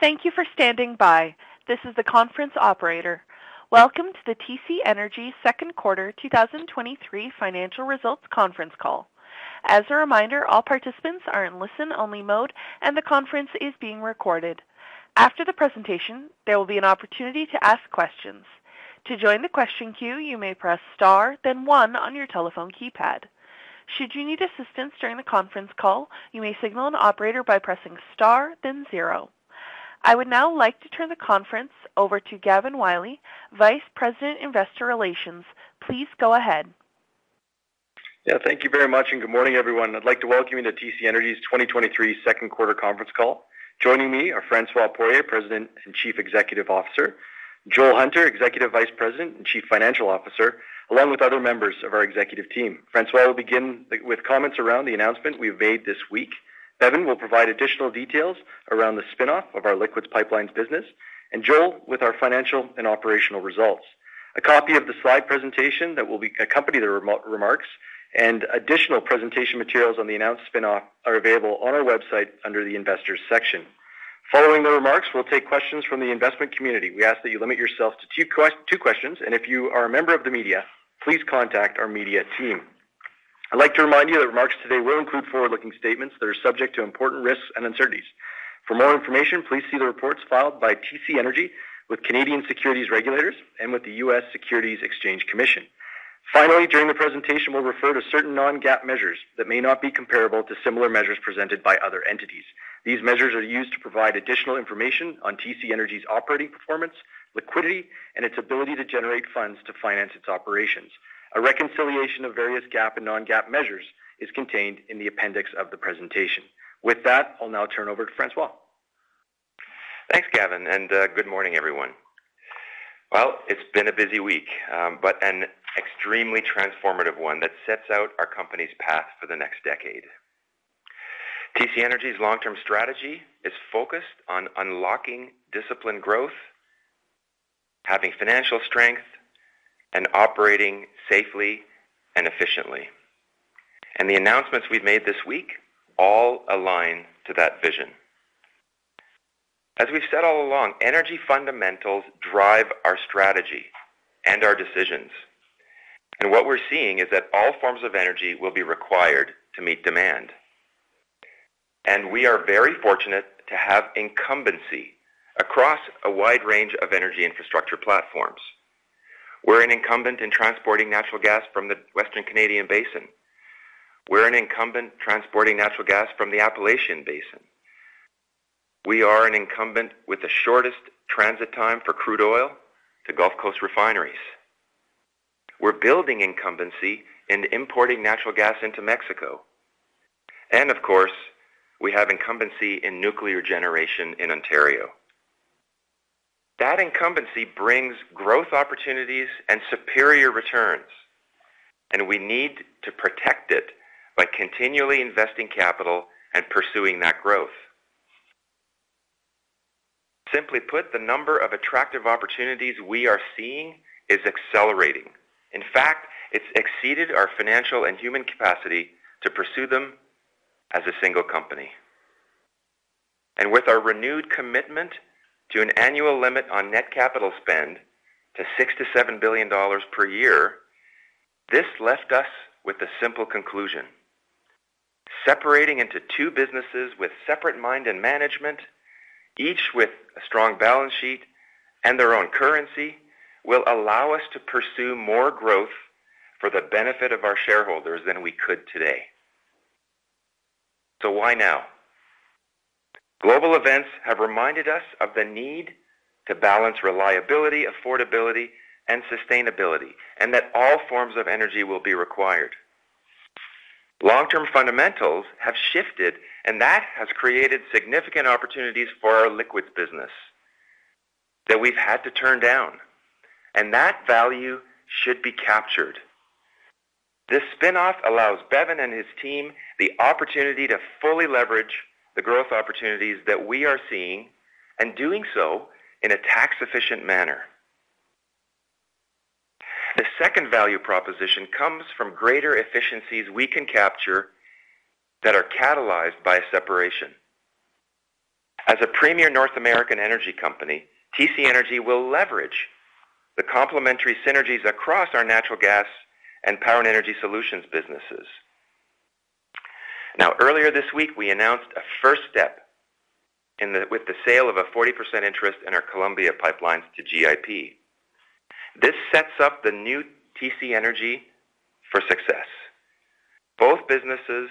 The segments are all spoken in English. Thank you for standing by. This is the conference operator. Welcome to the TC Energy Second Quarter 2023 Financial Results Conference Call. As a reminder, all participants are in listen-only mode, and the conference is being recorded. After the presentation, there will be an opportunity to ask questions. To join the question queue, you may press Star, then one on your telephone keypad. Should you need assistance during the conference call, you may signal an operator by pressing Star, then zero. I would now like to turn the conference over to Gavin Wylie, Vice President, Investor Relations. Please go ahead. Thank you very much, good morning, everyone. I'd like to welcome you to TC Energy's 2023 Second Quarter conference call. Joining me are François Poirier, President and Chief Executive Officer, Joel Hunter, Executive Vice President and Chief Financial Officer, along with other members of our executive team. François will begin with comments around the announcement we've made this week. Bevin will provide additional details around the spin-off of our liquids pipelines business, and Joel with our financial and operational results. A copy of the slide presentation that will accompany the remarks and additional presentation materials on the announced spin-off are available on our website under the Investors section. Following the remarks, we'll take questions from the investment community. We ask that you limit yourself to two questions, and if you are a member of the media, please contact our media team. I'd like to remind you that remarks today will include forward-looking statements that are subject to important risks and uncertainties. For more information, please see the reports filed by TC Energy with Canadian Securities Regulators and with the U.S. Securities Exchange Commission. Finally, during the presentation, we'll refer to certain non-GAAP measures that may not be comparable to similar measures presented by other entities. These measures are used to provide additional information on TC Energy's operating performance, liquidity, and its ability to generate funds to finance its operations. A reconciliation of various GAAP and non-GAAP measures is contained in the appendix of the presentation. With that, I'll now turn over to François. Thanks, Gavin, and good morning, everyone. Well, it's been a busy week, but an extremely transformative one that sets out our company's path for the next decade. TC Energy's long-term strategy is focused on unlocking disciplined growth, having financial strength, and operating safely and efficiently. The announcements we've made this week all align to that vision. As we've said all along, energy fundamentals drive our strategy and our decisions, and what we're seeing is that all forms of energy will be required to meet demand. We are very fortunate to have incumbency across a wide range of energy infrastructure platforms. We're an incumbent in transporting natural gas from the Western Canadian Basin. We're an incumbent transporting natural gas from the Appalachian Basin. We are an incumbent with the shortest transit time for crude oil to Gulf Coast refineries. We're building incumbency in importing natural gas into Mexico, and of course, we have incumbency in nuclear generation in Ontario. That incumbency brings growth opportunities and superior returns, and we need to protect it by continually investing capital and pursuing that growth. Simply put, the number of attractive opportunities we are seeing is accelerating. In fact, it's exceeded our financial and human capacity to pursue them as a single company. With our renewed commitment to an annual limit on net capital spend to 6 billion-7 billion dollars per year, this left us with a simple conclusion: separating into two businesses with separate mind and management, each with a strong balance sheet and their own currency, will allow us to pursue more growth for the benefit of our shareholders than we could today. Why now? Global events have reminded us of the need to balance reliability, affordability, and sustainability, and that all forms of energy will be required. Long-term fundamentals have shifted, and that has created significant opportunities for our liquids business that we've had to turn down, and that value should be captured. This spin-off allows Bevin and his team the opportunity to fully leverage the growth opportunities that we are seeing and doing so in a tax-efficient manner. The second value proposition comes from greater efficiencies we can capture that are catalyzed by separation. As a premier North American energy company, TC Energy will leverage the complementary synergies across our natural gas and Power and Energy Solutions businesses. Earlier this week, we announced a first step With the sale of a 40% interest in our Columbia pipelines to GIP. This sets up the new TC Energy for success. Both businesses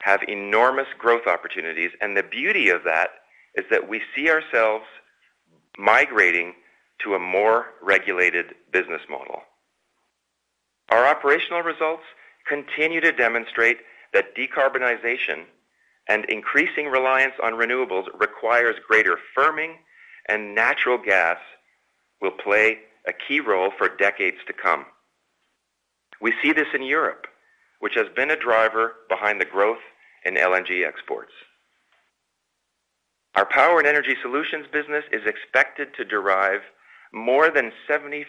have enormous growth opportunities, and the beauty of that is that we see ourselves migrating to a more regulated business model. Our operational results continue to demonstrate that decarbonization and increasing reliance on renewables requires greater firming, and natural gas will play a key role for decades to come. We see this in Europe, which has been a driver behind the growth in LNG exports. Our Power and Energy Solutions business is expected to derive more than 75%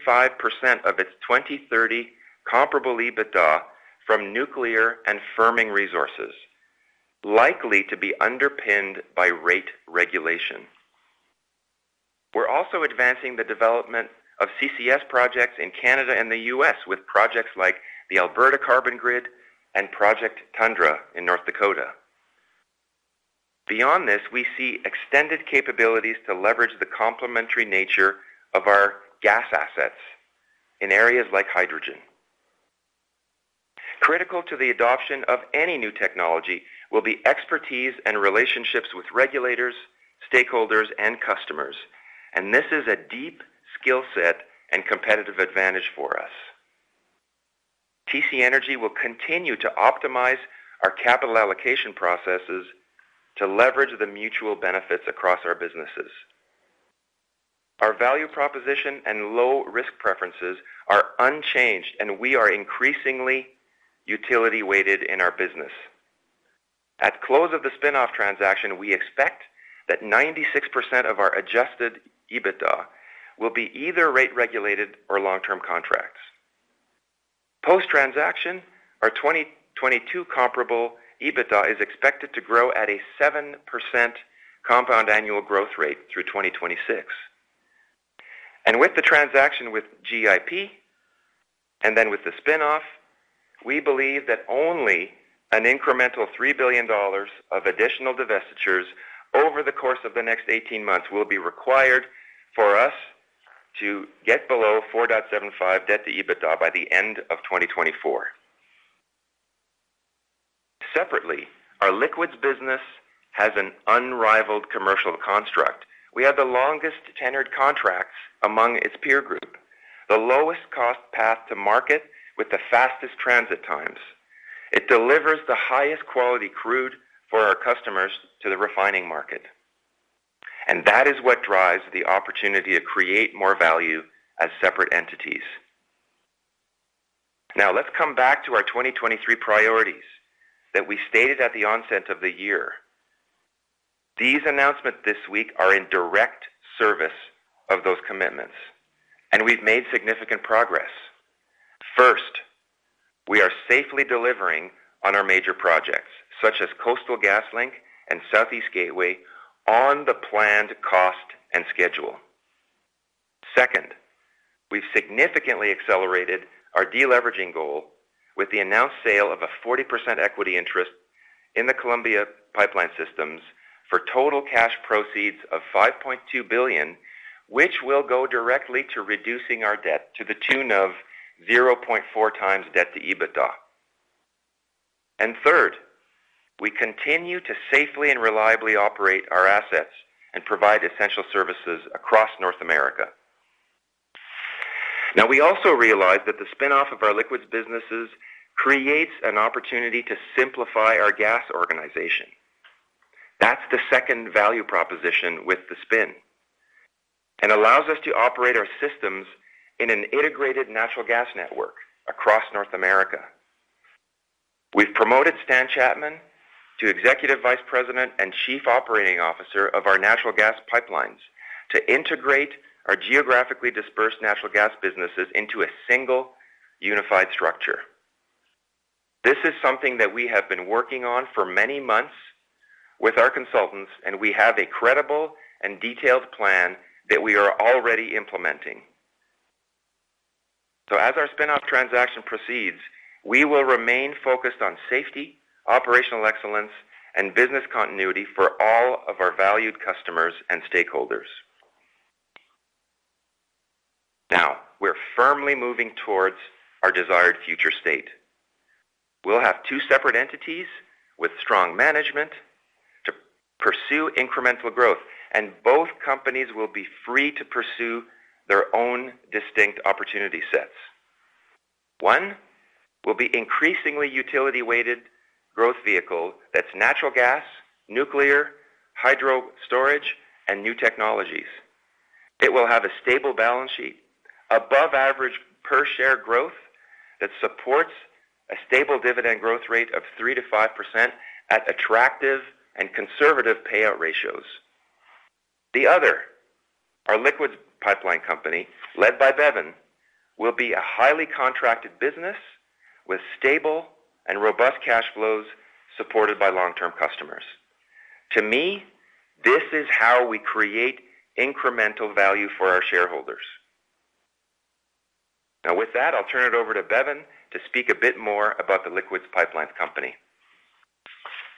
of its 2030 comparable EBITDA from nuclear and firming resources, likely to be underpinned by rate regulation. We're also advancing the development of CCS projects in Canada and the U.S., with projects like the Alberta Carbon Grid and Project Tundra in North Dakota. Beyond this, we see extended capabilities to leverage the complementary nature of our gas assets in areas like hydrogen. Critical to the adoption of any new technology will be expertise and relationships with regulators, stakeholders, and customers, this is a deep skill set and competitive advantage for us. TC Energy will continue to optimize our capital allocation processes to leverage the mutual benefits across our businesses. Our value proposition and low-risk preferences are unchanged, we are increasingly utility-weighted in our business. At close of the spin-off transaction, we expect that 96% of our adjusted EBITDA will be either rate-regulated or long-term contracts. Post-transaction, our 2022 comparable EBITDA is expected to grow at a 7% compound annual growth rate through 2026. With the transaction with GIP, and then with the spin-off, we believe that only an incremental $3 billion of additional divestitures over the course of the next 18 months will be required for us to get below 4.75 debt-to-EBITDA by the end of 2024. Separately, our liquids business has an unrivaled commercial construct. We have the longest tenured contracts among its peer group, the lowest cost path to market with the fastest transit times. It delivers the highest quality crude for our customers to the refining market, and that is what drives the opportunity to create more value as separate entities. Let's come back to our 2023 priorities that we stated at the onset of the year. These announcements this week are in direct service of those commitments, and we've made significant progress. First, we are safely delivering on our major projects, such as Coastal GasLink and Southeast Gateway, on the planned cost and schedule. Second, we've significantly accelerated our deleveraging goal with the announced sale of a 40% equity interest in the Columbia Pipeline Group for total cash proceeds of $5.2 billion, which will go directly to reducing our debt to the tune of 0.4 times debt-to-EBITDA. Third, we continue to safely and reliably operate our assets and provide essential services across North America. We also realize that the spin-off of our liquids businesses creates an opportunity to simplify our gas organization. That's the second value proposition with the spin, and allows us to operate our systems in an integrated natural gas network across North America. We've promoted Stanley Chapman to Executive Vice President and Chief Operating Officer of our natural gas pipelines to integrate our geographically dispersed natural gas businesses into a single, unified structure. This is something that we have been working on for many months with our consultants, we have a credible and detailed plan that we are already implementing. As our spin-off transaction proceeds, we will remain focused on safety, operational excellence, and business continuity for all of our valued customers and stakeholders. We're firmly moving towards our desired future state. We'll have two separate entities with strong management to pursue incremental growth, both companies will be free to pursue their own distinct opportunity sets. One will be increasingly utility-weighted growth vehicle that's natural gas, nuclear, hydro storage, and new technologies. It will have a stable balance sheet, above average per-share growth that supports a stable dividend growth rate of 3%-5% at attractive and conservative payout ratios. The other, our liquids pipeline company, led by Bevin, will be a highly contracted business with stable and robust cash flows, supported by long-term customers. Now, with that, I'll turn it over to Bevin to speak a bit more about the liquids pipelines company.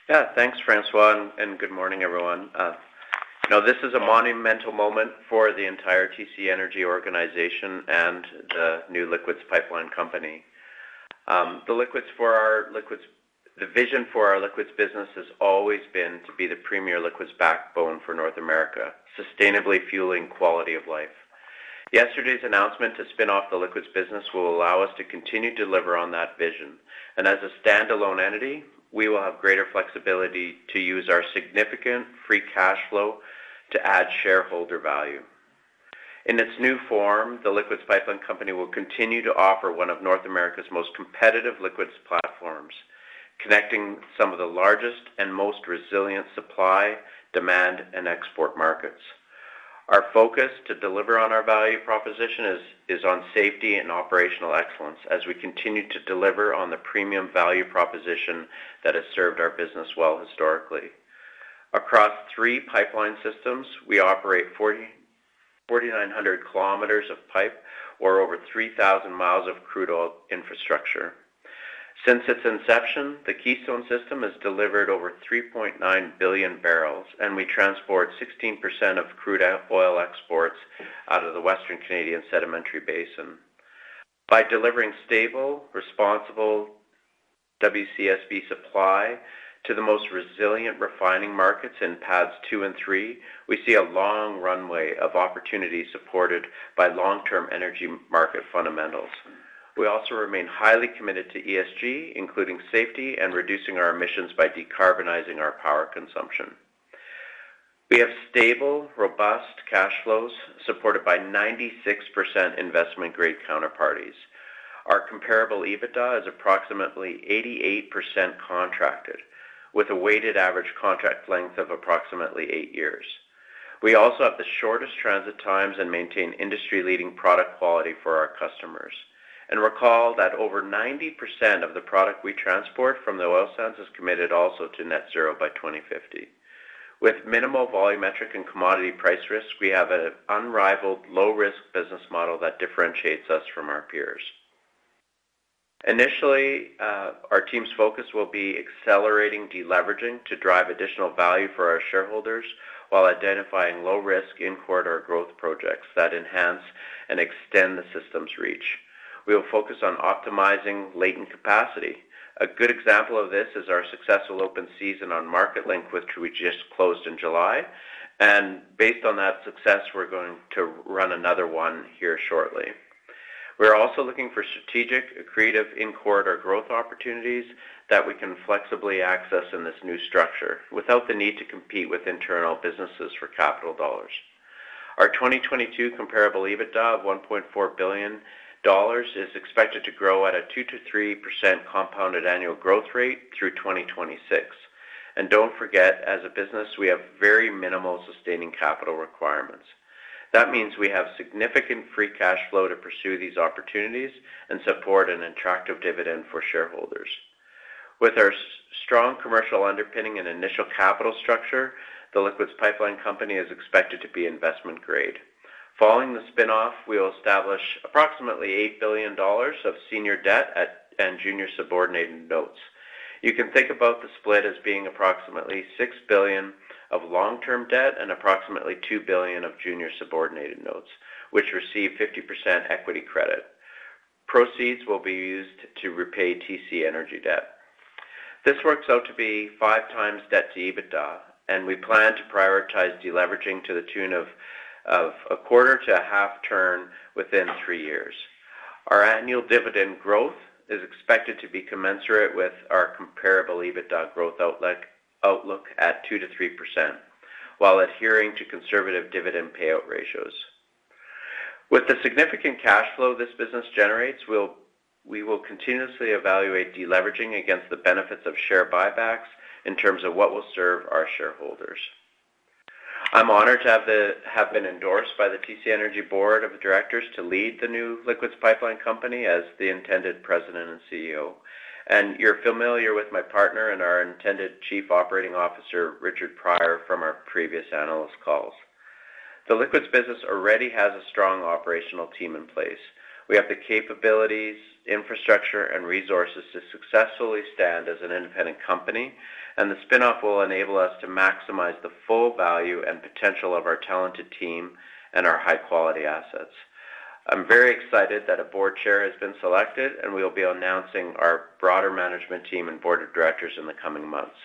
Thanks, François, and good morning, everyone. Now, this is a monumental moment for the entire TC Energy organization and the new liquids pipeline company. The vision for our liquids business has always been to be the premier liquids backbone for North America, sustainably fueling quality of life. Yesterday's announcement to spin off the liquids business will allow us to continue to deliver on that vision. As a standalone entity, we will have greater flexibility to use our significant free cash flow to add shareholder value. In its new form, the liquids pipeline company will continue to offer one of North America's most competitive liquids platforms, connecting some of the largest and most resilient supply, demand, and export markets. Our focus to deliver on our value proposition is on safety and operational excellence as we continue to deliver on the premium value proposition that has served our business well historically. Across three pipeline systems, we operate 4,900 kilometers of pipe or over 3,000 miles of crude oil infrastructure. Since its inception, the Keystone system has delivered over 3.9 billion barrels, and we transport 16% of crude oil exports out of the Western Canadian Sedimentary Basin. By delivering stable, responsible WCSB supply to the most resilient refining markets in paths two and three, we see a long runway of opportunities supported by long-term energy market fundamentals. We also remain highly committed to ESG, including safety and reducing our emissions by decarbonizing our power consumption. We have stable, robust cash flows, supported by 96% investment-grade counterparties. Our comparable EBITDA is approximately 88% contracted, with a weighted average contract length of approximately 8 years. We also have the shortest transit times and maintain industry-leading product quality for our customers. Recall that over 90% of the product we transport from the oil sands is committed also to net zero by 2050. With minimal volumetric and commodity price risk, we have an unrivaled low-risk business model that differentiates us from our peers. Initially, our team's focus will be accelerating deleveraging to drive additional value for our shareholders, while identifying low risk in corridor growth projects that enhance and extend the system's reach. We will focus on optimizing latent capacity. A good example of this is our successful open season on Marketlink, which we just closed in July. Based on that success, we're going to run another one here shortly. We're also looking for strategic, creative in corridor growth opportunities that we can flexibly access in this new structure without the need to compete with internal businesses for capital dollars. Our 2022 comparable EBITDA of 1.4 billion dollars is expected to grow at a 2%-3% compounded annual growth rate through 2026. Don't forget, as a business, we have very minimal sustaining capital requirements. That means we have significant free cash flow to pursue these opportunities and support an attractive dividend for shareholders. With our strong commercial underpinning and initial capital structure, the liquids pipeline company is expected to be investment-grade. Following the spin-off, we will establish approximately 8 billion dollars of senior debt and Junior Subordinated Notes. You can think about the split as being approximately 6 billion of long-term debt and approximately 2 billion of Junior Subordinated Notes, which receive 50% equity credit. Proceeds will be used to repay TC Energy debt. This works out to be 5x debt-to-EBITDA, and we plan to prioritize deleveraging to the tune of a quarter to a half turn within three years. Our annual dividend growth is expected to be commensurate with our comparable EBITDA growth outlook at 2%-3%, while adhering to conservative dividend payout ratios. With the significant cash flow this business generates, we will continuously evaluate deleveraging against the benefits of share buybacks in terms of what will serve our shareholders. I'm honored to have been endorsed by the TC Energy Board of Directors to lead the new liquids pipeline company as the intended President and CEO. You're familiar with my partner and our intended Chief Operating Officer, Richard Prior, from our previous analyst calls. The liquids business already has a strong operational team in place. We have the capabilities, infrastructure, and resources to successfully stand as an independent company. The spin-off will enable us to maximize the full value and potential of our talented team and our high-quality assets. I'm very excited that a board chair has been selected. We will be announcing our broader management team and board of directors in the coming months.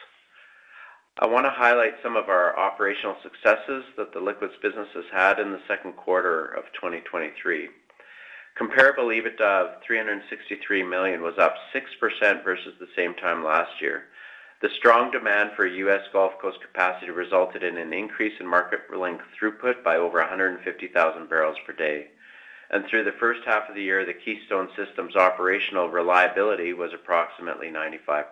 I wanna highlight some of our operational successes that the liquids business has had in the second quarter of 2023. Comparable EBITDA of 363 million was up 6% versus the same time last year. The strong demand for US Gulf Coast capacity resulted in an increase in Marketlink throughput by over 150,000 barrels per day. Through the first half of the year, the Keystone System's operational reliability was approximately 95%.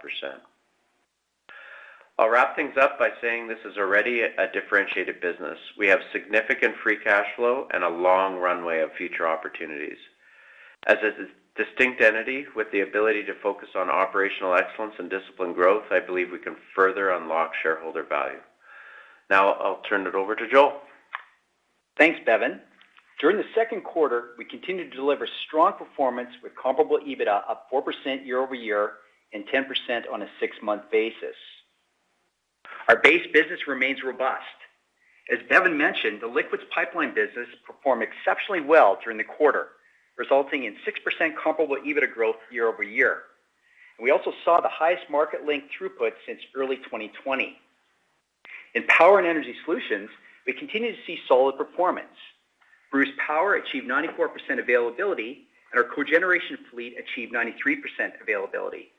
I'll wrap things up by saying this is already a differentiated business. We have significant free cash flow and a long runway of future opportunities. As a distinct entity with the ability to focus on operational excellence and discipline growth, I believe we can further unlock shareholder value. Now, I'll turn it over to Joel. Thanks, Bevin. During the second quarter, we continued to deliver strong performance with comparable EBITDA, up 4% year-over-year and 10% on a 6-month basis. Our base business remains robust. As Bevin mentioned, the liquids pipeline business performed exceptionally well during the quarter, resulting in 6% comparable EBITDA growth year-over-year. We also saw the highest Marketlink throughput since early 2020. In Power and Energy Solutions, we continue to see solid performance. Bruce Power achieved 94% availability, and our cogeneration fleet achieved 93% availability.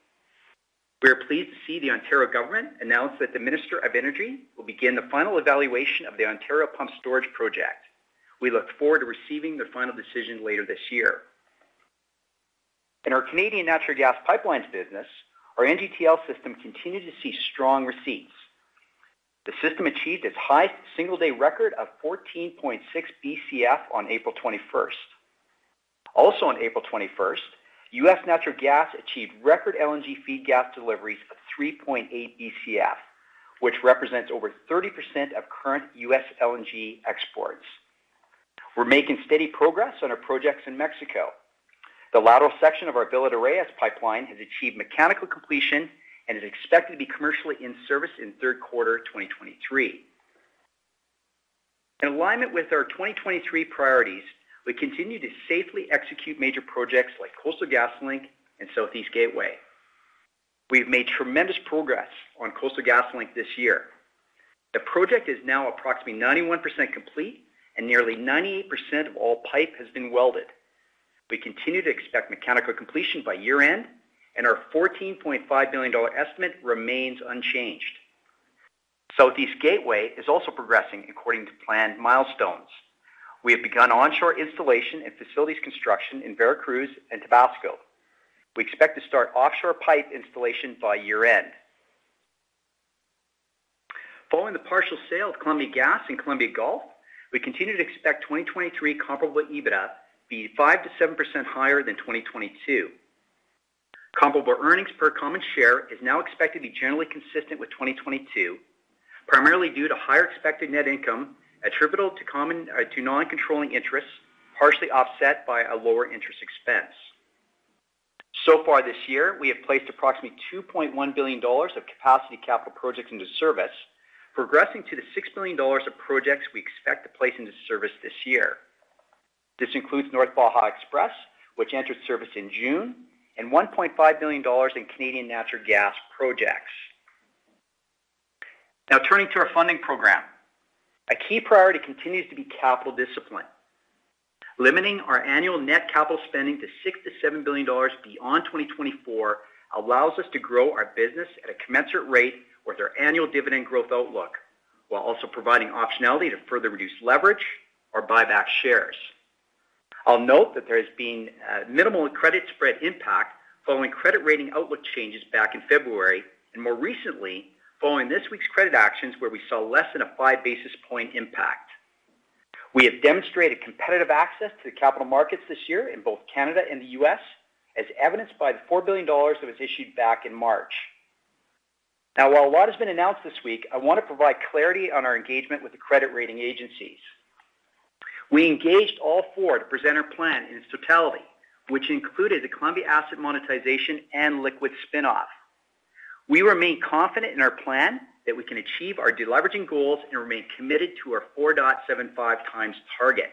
We are pleased to see the Ontario government announce that the Minister of Energy will begin the final evaluation of the Ontario Pumped Storage Project. We look forward to receiving the final decision later this year. In our Canadian natural gas pipelines business, our NGTL System continued to see strong receipts. The system achieved its highest single-day record of 14.6 BCF on April 21st. On April 21st, US Natural Gas achieved record LNG feed gas deliveries of 3.8 BCF, which represents over 30% of current US LNG exports. We're making steady progress on our projects in Mexico. The lateral section of our Villa de Reyes pipeline has achieved mechanical completion and is expected to be commercially in service in third quarter 2023. In alignment with our 2023 priorities, we continue to safely execute major projects like Coastal GasLink and Southeast Gateway. We've made tremendous progress on Coastal GasLink this year. The project is now approximately 91% complete and nearly 98% of all pipe has been welded. We continue to expect mechanical completion by year-end, and our 14.5 billion dollar estimate remains unchanged. Southeast Gateway is also progressing according to planned milestones. We have begun onshore installation and facilities construction in Veracruz and Tabasco. We expect to start offshore pipe installation by year-end. Following the partial sale of Columbia Gas and Columbia Gulf, we continue to expect 2023 comparable EBITDA to be 5%-7% higher than 2022. Comparable earnings per common share is now expected to be generally consistent with 2022, primarily due to higher expected net income attributable to non-controlling interests, partially offset by a lower interest expense. Far this year, we have placed approximately $2.1 billion of capacity capital projects into service, progressing to the $6 billion of projects we expect to place into service this year. This includes North Baja XPress, which entered service in June, and $1.5 billion in Canadian natural gas projects. Turning to our funding program. A key priority continues to be capital discipline. Limiting our annual net capital spending to 6 billion-7 billion dollars beyond 2024 allows us to grow our business at a commensurate rate with our annual dividend growth outlook, while also providing optionality to further reduce leverage or buy back shares. I'll note that there has been minimal credit spread impact following credit rating outlook changes back in February, and more recently, following this week's credit actions, where we saw less than a 5 basis point impact. We have demonstrated competitive access to the capital markets this year in both Canada and the U.S., as evidenced by the 4 billion dollars that was issued back in March. While a lot has been announced this week, I want to provide clarity on our engagement with the credit rating agencies. We engaged all four to present our plan in its totality, which included the Columbia asset monetization and Liquids spinoff. We remain confident in our plan that we can achieve our deleveraging goals and remain committed to our 4.75 times target.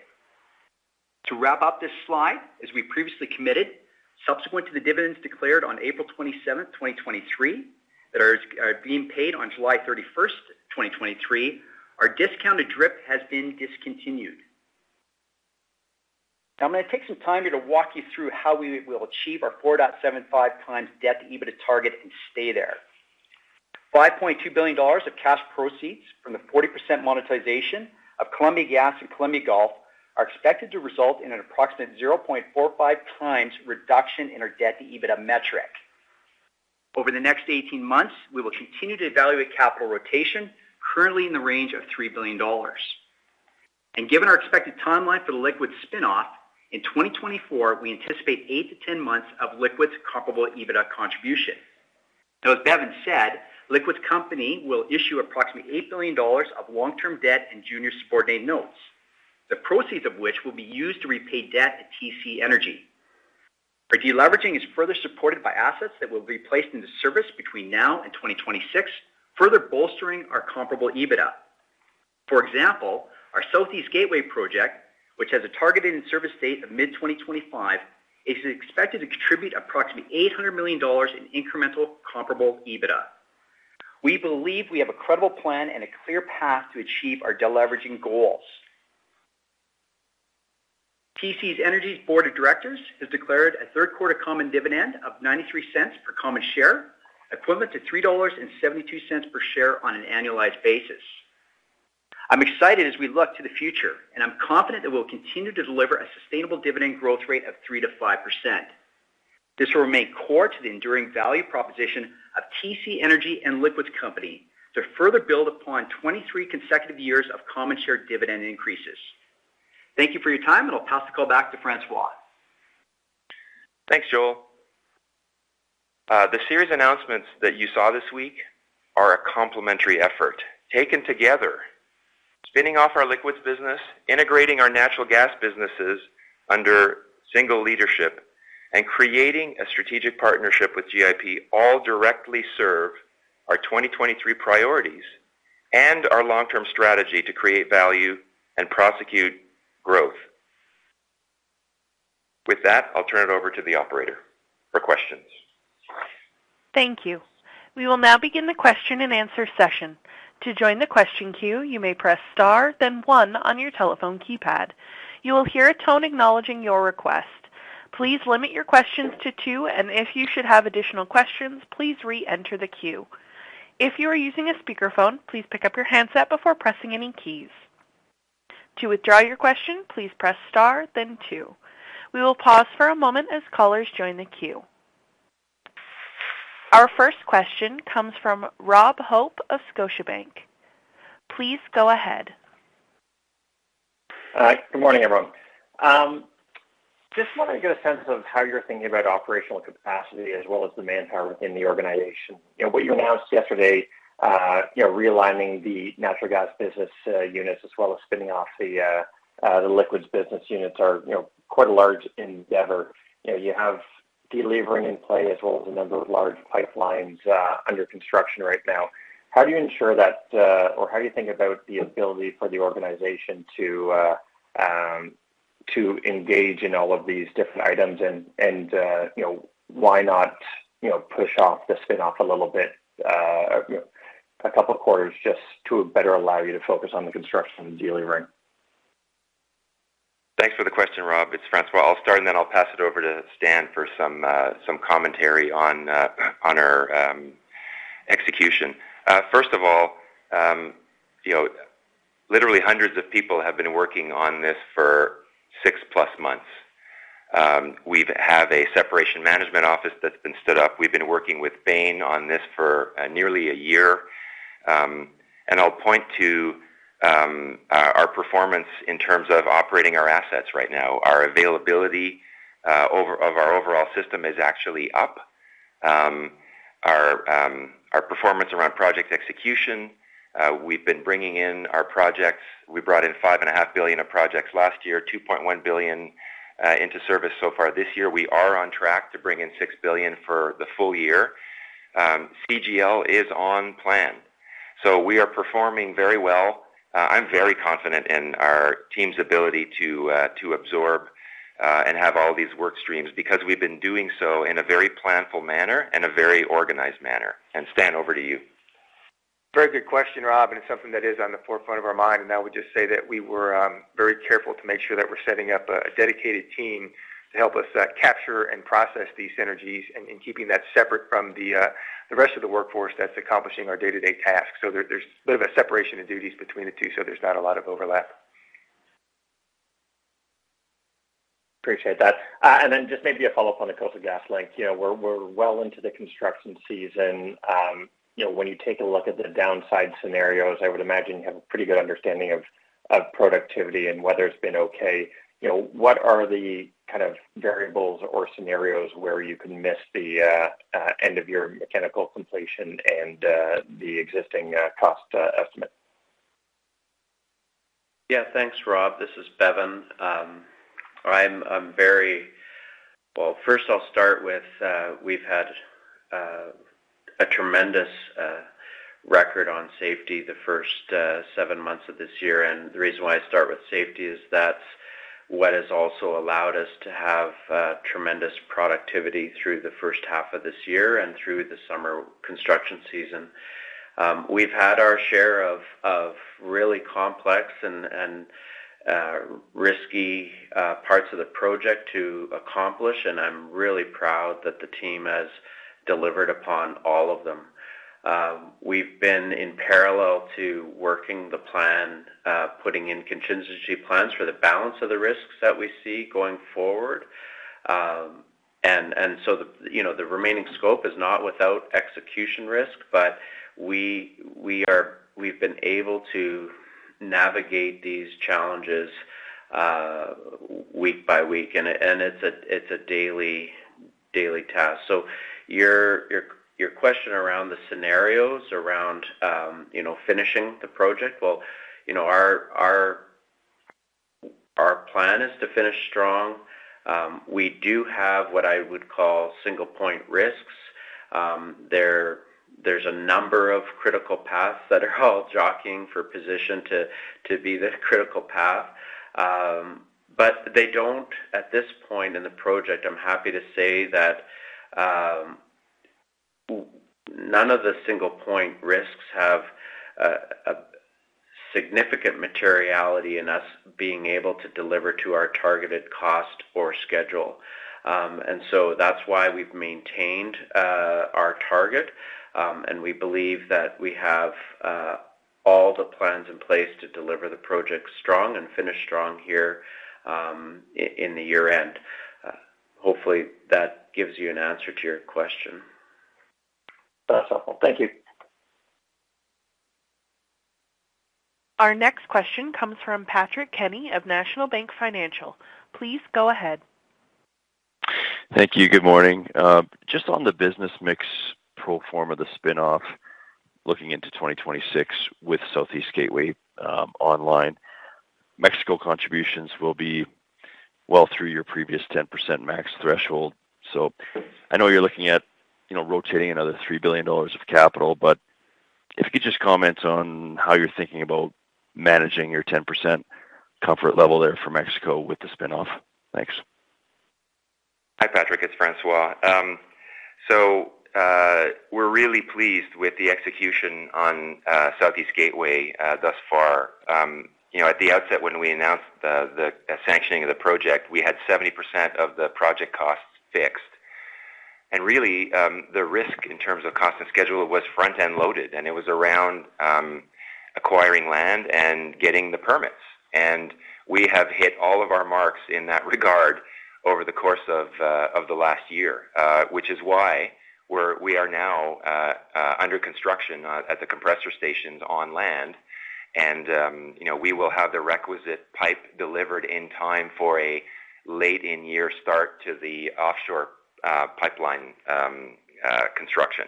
To wrap up this slide, as we previously committed, subsequent to the dividends declared on 27 April 2023, that are being paid on 31 July 2023, our discounted DRIP has been discontinued. Now, I'm gonna take some time here to walk you through how we will achieve our 4.75 times debt-to-EBITDA target and stay there. $5.2 billion of cash proceeds from the 40% monetization of Columbia Gas and Columbia Gulf are expected to result in an approximate 0.45 times reduction in our debt-to-EBITDA metric. Over the next 18 months, we will continue to evaluate capital rotation, currently in the range of 3 billion dollars. Given our expected timeline for the Liquids spinoff, in 2024, we anticipate eight to 10 months of Liquids comparable EBITDA contribution. As Bevin said, Liquids Company will issue approximately 8 billion dollars of long-term debt in Junior Subordinated Notes, the proceeds of which will be used to repay debt to TC Energy. Our deleveraging is further supported by assets that will be placed into service between now and 2026, further bolstering our comparable EBITDA. For example, our Southeast Gateway project, which has a targeted in-service date of mid-2025, is expected to contribute approximately 800 million dollars in incremental comparable EBITDA. We believe we have a credible plan and a clear path to achieve our deleveraging goals. TC Energy's Board of Directors has declared a third-quarter common dividend of 0.93 per common share, equivalent to 3.72 dollars per share on an annualized basis. I'm excited as we look to the future. I'm confident that we'll continue to deliver a sustainable dividend growth rate of 3%-5%. This will remain core to the enduring value proposition of TC Energy and South Bow Corp. to further build upon 23 consecutive years of common share dividend increases. Thank you for your time. I'll pass the call back to François Poirier. Thanks, Joel. The series announcements that you saw this week are a complementary effort, taken together, spinning off our Liquids business, integrating our natural gas businesses under single leadership, and creating a strategic partnership with GIP, all directly serve our 2023 priorities and our long-term strategy to create value and prosecute growth. With that, I'll turn it over to the operator for questions. Thank you. We will now begin the question-and-answer session. To join the question queue, you may press star, then one on your telephone keypad. You will hear a tone acknowledging your request. Please limit your questions to two, and if you should have additional questions, please reenter the queue. If you are using a speakerphone, please pick up your handset before pressing any keys. To withdraw your question, please press star, then two. We will pause for a moment as callers join the queue. Our first question comes from Rob Hope of Scotiabank. Please go ahead. Good morning, everyone. Just wanted to get a sense of how you're thinking about operational capacity as well as the manpower within the organization. You know, what you announced yesterday, you know, realigning the natural gas business units, as well as spinning off the liquids business units are, you know, quite a large endeavor. You know, you have delevering in play, as well as a number of large pipelines, under construction right now. How do you ensure that, or how do you think about the ability for the organization to engage in all of these different items? And, you know, why not, you know, push off the spin-off a little bit, a couple of quarters, just to better allow you to focus on the construction and delivery? Thanks for the question, Rob. It's François. I'll start, and then I'll pass it over to Stan for some commentary on our execution. First of all, you know, literally hundreds of people have been working on this for six plus months. We have a Separation Management Office that's been stood up. We've been working with Bain on this for nearly a year. I'll point to our performance in terms of operating our assets right now. Our availability of our overall system is actually up. Our performance around project execution, we've been bringing in our projects. We brought in 5.5 billion of projects last year, 2.1 billion into service so far this year. We are on track to bring in 6 billion for the full year. CGL is on plan, so we are performing very well. I'm very confident in our team's ability to absorb and have all these work streams, because we've been doing so in a very planful manner and a very organized manner. Stan, over to you. Very good question, Rob, and it's something that is on the forefront of our mind, and I would just say that we were very careful to make sure that we're setting up a dedicated team to help us capture and process these synergies and keeping that separate from the rest of the workforce that's accomplishing our day-to-day tasks. There's a bit of a separation of duties between the two, so there's not a lot of overlap. Appreciate that. Then just maybe a follow-up on the Coastal GasLink. You know, we're well into the construction season. You know, when you take a look at the downside scenarios, I would imagine you have a pretty good understanding of productivity and whether it's been okay. You know, what are the kind of variables or scenarios where you can miss the end of your mechanical completion and the existing cost estimate? Thanks, Rob. This is Bevin. I'm very. Well, first I'll start with, we've had a tremendous record on safety the first 7 months of this year. The reason why I start with safety is that's what has also allowed us to have tremendous productivity through the first half of this year and through the summer construction season. We've had our share of really complex and risky parts of the project to accomplish. I'm really proud that the team has delivered upon all of them. We've been in parallel to working the plan, putting in contingency plans for the balance of the risks that we see going forward. The, you know, the remaining scope is not without execution risk, but we've been able to navigate these challenges week by week, and it's a daily task. Your question around the scenarios, around, you know, finishing the project, well, you know, our plan is to finish strong. We do have what I would call single-point risks. There's a number of critical paths that are all jockeying for position to be the critical path. At this point in the project, I'm happy to say that none of the single-point risks have a significant materiality in us being able to deliver to our targeted cost or schedule. That's why we've maintained our target. We believe that we have all the plans in place to deliver the project strong and finish strong here, in the year-end. Hopefully, that gives you an answer to your question. That's helpful. Thank you. Our next question comes from Patrick Kenny of National Bank Financial. Please go ahead. Thank you. Good morning. Just on the business mix pro forma, the spin-off, looking into 2026 with Southeast Gateway online, Mexico contributions will be well through your previous 10% max threshold. I know you're looking at, you know, rotating another $3 billion of capital, but if you could just comment on how you're thinking about managing your 10% comfort level there for Mexico with the spin-off. Thanks. Hi, Patrick, it's François. We're really pleased with the execution on Southeast Gateway thus far. You know, at the outset, when we announced the sanctioning of the project, we had 70% of the project costs fixed. Really, the risk in terms of cost and schedule was front-end loaded, and it was around acquiring land and getting the permits. We have hit all of our marks in that regard over the course of the last year, which is why we are now under construction at the compressor stations on land. You know, we will have the requisite pipe delivered in time for a late-in-year start to the offshore pipeline construction.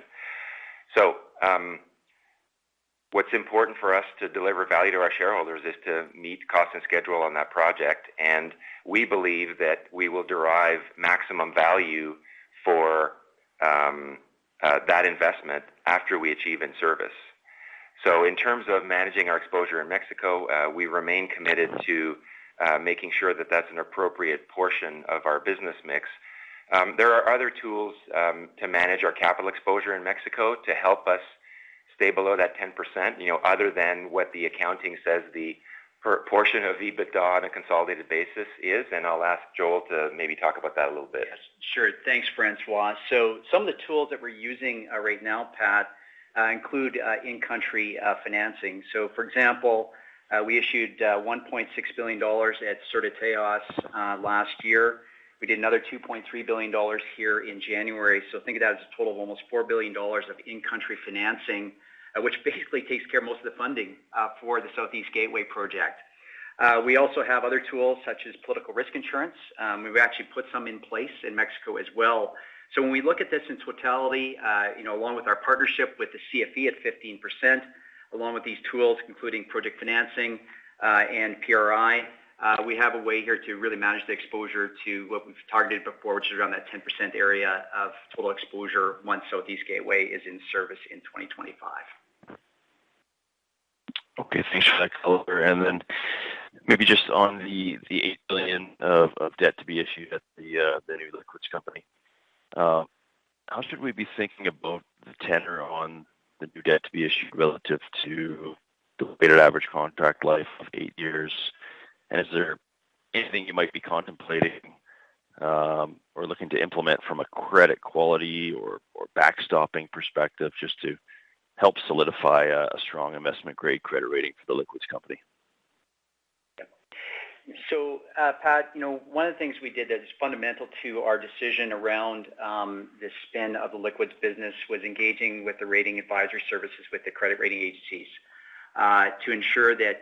What's important for us to deliver value to our shareholders is to meet cost and schedule on that project, and we believe that we will derive maximum value for that investment after we achieve in-service. In terms of managing our exposure in Mexico, we remain committed to making sure that that's an appropriate portion of our business mix. There are other tools to manage our capital exposure in Mexico to help us stay below that 10%, you know, other than what the accounting says the portion of EBITDA on a consolidated basis is, and I'll ask Joel to maybe talk about that a little bit. Yes, sure. Thanks, François. Some of the tools that we're using right now, Pat, include in-country financing. For example, we issued $1.6 billion at Cetes last year. We did another $2.3 billion here in January. Think of that as a total of almost $4 billion of in-country financing, which basically takes care of most of the funding for the Southeast Gateway project. We also have other tools, such as political risk insurance. We've actually put some in place in Mexico as well. When we look at this in totality, you know, along with our partnership with the CFE at 15%, along with these tools, including project financing, and PRI, we have a way here to really manage the exposure to what we've targeted before, which is around that 10% area of total exposure once Southeast Gateway is in service in 2025. Okay, thanks for that color. Maybe just on the $8 billion of debt to be issued at the new Liquids Company. How should we be thinking about the tenor on the new debt to be issued relative to the weighted average contract life of eight years? Is there anything you might be contemplating or looking to implement from a credit quality or backstopping perspective, just to help solidify a strong investment-grade credit rating for the Liquids Company? Pat, you know, one of the things we did that is fundamental to our decision around the spin of the Liquids business was engaging with the rating advisory services with the credit rating agencies to ensure that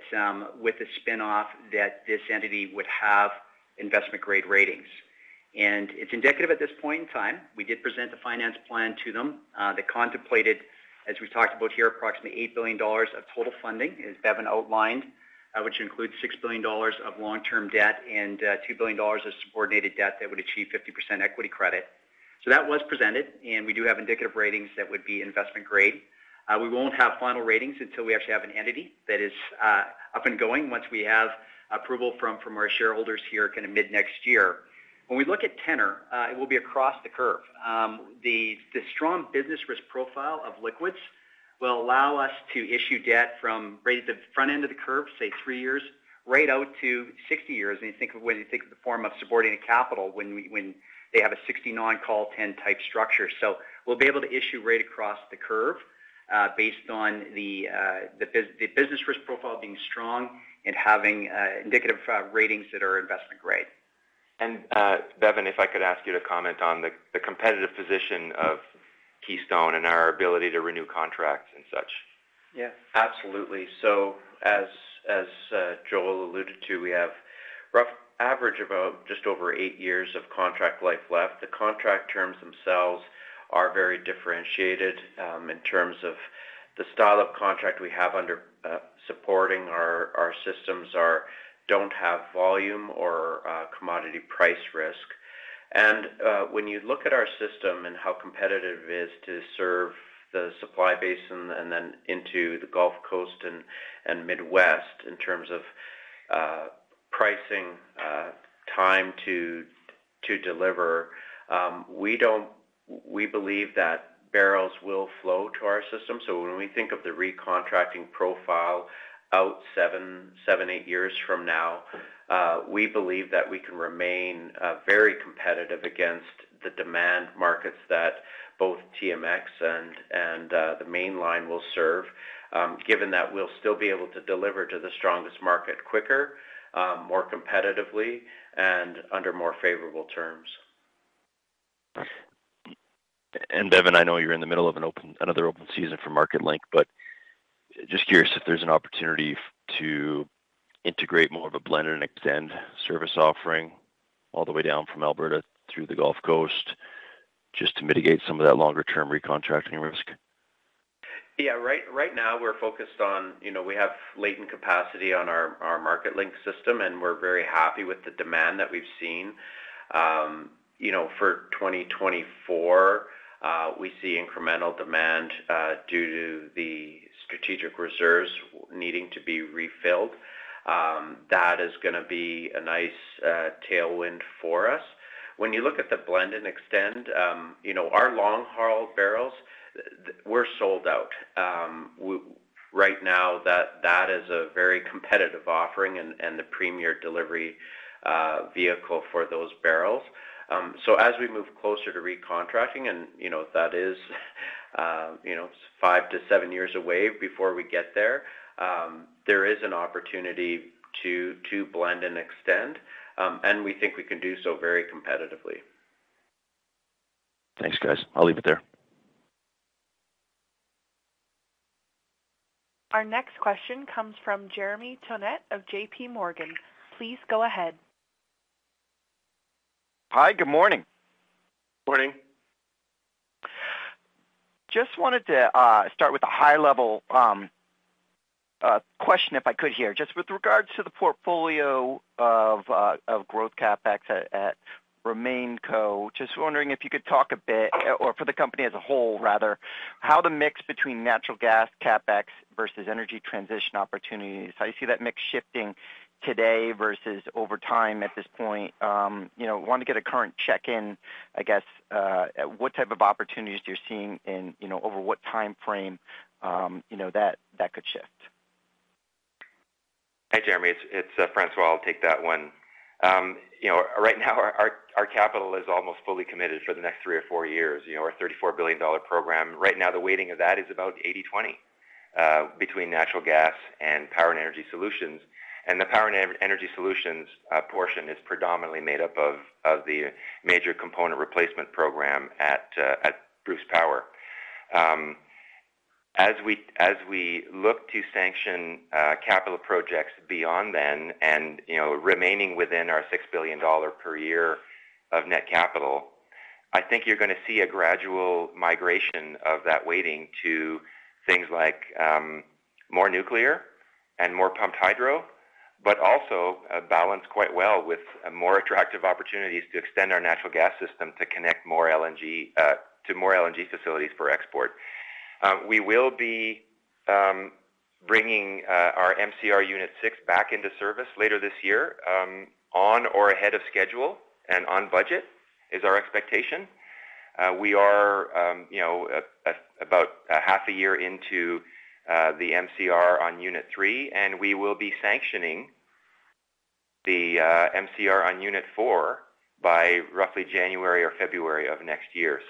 with the spin-off, that this entity would have investment-grade ratings. It's indicative at this point in time, we did present the finance plan to them. They contemplated, as we talked about here, approximately 8 billion dollars of total funding, as Bevin outlined, which includes 6 billion dollars of long-term debt and 2 billion dollars of subordinated debt that would achieve 50% equity credit. That was presented, and we do have indicative ratings that would be investment-grade. We won't have final ratings until we actually have an entity that is up and going once we have approval from our shareholders here in mid-next year. When we look at tenor, it will be across the curve. The strong business risk profile of Liquids will allow us to issue debt from right at the front end of the curve, say, three years, right out to 60 years. When you think of the form of supporting a capital, when they have a 60 non-call 10, 10-type structure. We'll be able to issue right across the curve, based on the business risk profile being strong and having indicative ratings that are investment-grade. Bevin, if I could ask you to comment on the competitive position of Keystone and our ability to renew contracts and such. Yeah, absolutely. As Joel Hunter alluded to, we have rough average of just over eight years of contract life left. The contract terms themselves are very differentiated, in terms of the style of contract we have supporting our systems don't have volume or commodity price risk. When you look at our system and how competitive it is to serve the supply basin and then into the Gulf Coast and Midwest in terms of pricing, time to deliver, we believe that barrels will flow to our system. When we think of the recontracting profile out seven, eight years from now, we believe that we can remain very competitive against the demand markets that both TMX and the Mainline will serve, given that we'll still be able to deliver to the strongest market quicker, more competitively, and under more favorable terms. Bevin, I know you're in the middle of another open season for Marketlink, but just curious if there's an opportunity to integrate more of a blend and extend service offering all the way down from Alberta through the Gulf Coast, just to mitigate some of that longer-term recontracting risk. Right, right now, we're focused on. You know, we have latent capacity on our Marketlink system, and we're very happy with the demand that we've seen. You know, for 2024, we see incremental demand due to the strategic reserves needing to be refilled. That is gonna be a nice tailwind for us. When you look at the blend and extend, you know, our long-haul barrels. We're sold out. Right now, that is a very competitive offering and the premier delivery, vehicle for those barrels. As we move closer to recontracting, and, you know, that is, you know, five to seven years away before we get there is an opportunity to blend and extend, and we think we can do so very competitively. Thanks, guys. I'll leave it there. Our next question comes from Jeremy Tonet of JPMorgan. Please go ahead. Hi, good morning. Morning. Just wanted to start with a high-level question, if I could here. Just with regards to the portfolio of growth CapEx at RemainCo, just wondering if you could talk or for the company as a whole, rather, how the mix between natural gas CapEx versus energy transition opportunities, how you see that mix shifting today versus over time at this point? You know, want to get a current check-in, I guess. What type of opportunities you're seeing and, you know, over what time frame, you know, that could shift? Hi, Jeremy. It's François. I'll take that one. You know, right now, our capital is almost fully committed for the next three or four years. You know, our $34 billion program. Right now, the weighting of that is about 80/20 between natural gas and Power and Energy Solutions. The Power and Energy Solutions portion is predominantly made up of the Major Component Replacement Program at Bruce Power. As we look to sanction capital projects beyond then, you know, remaining within our 6 billion dollar per year of net capital, I think you're gonna see a gradual migration of that weighting to things like more nuclear and more pumped hydro, but also balanced quite well with more attractive opportunities to extend our natural gas system to connect more LNG facilities for export. We will be bringing our MCR Unit 6 back into service later this year on or ahead of schedule and on budget, is our expectation. We are, you know, about a half a year into the MCR on Unit 3, we will be sanctioning the MCR on Unit four by roughly January or February of next year.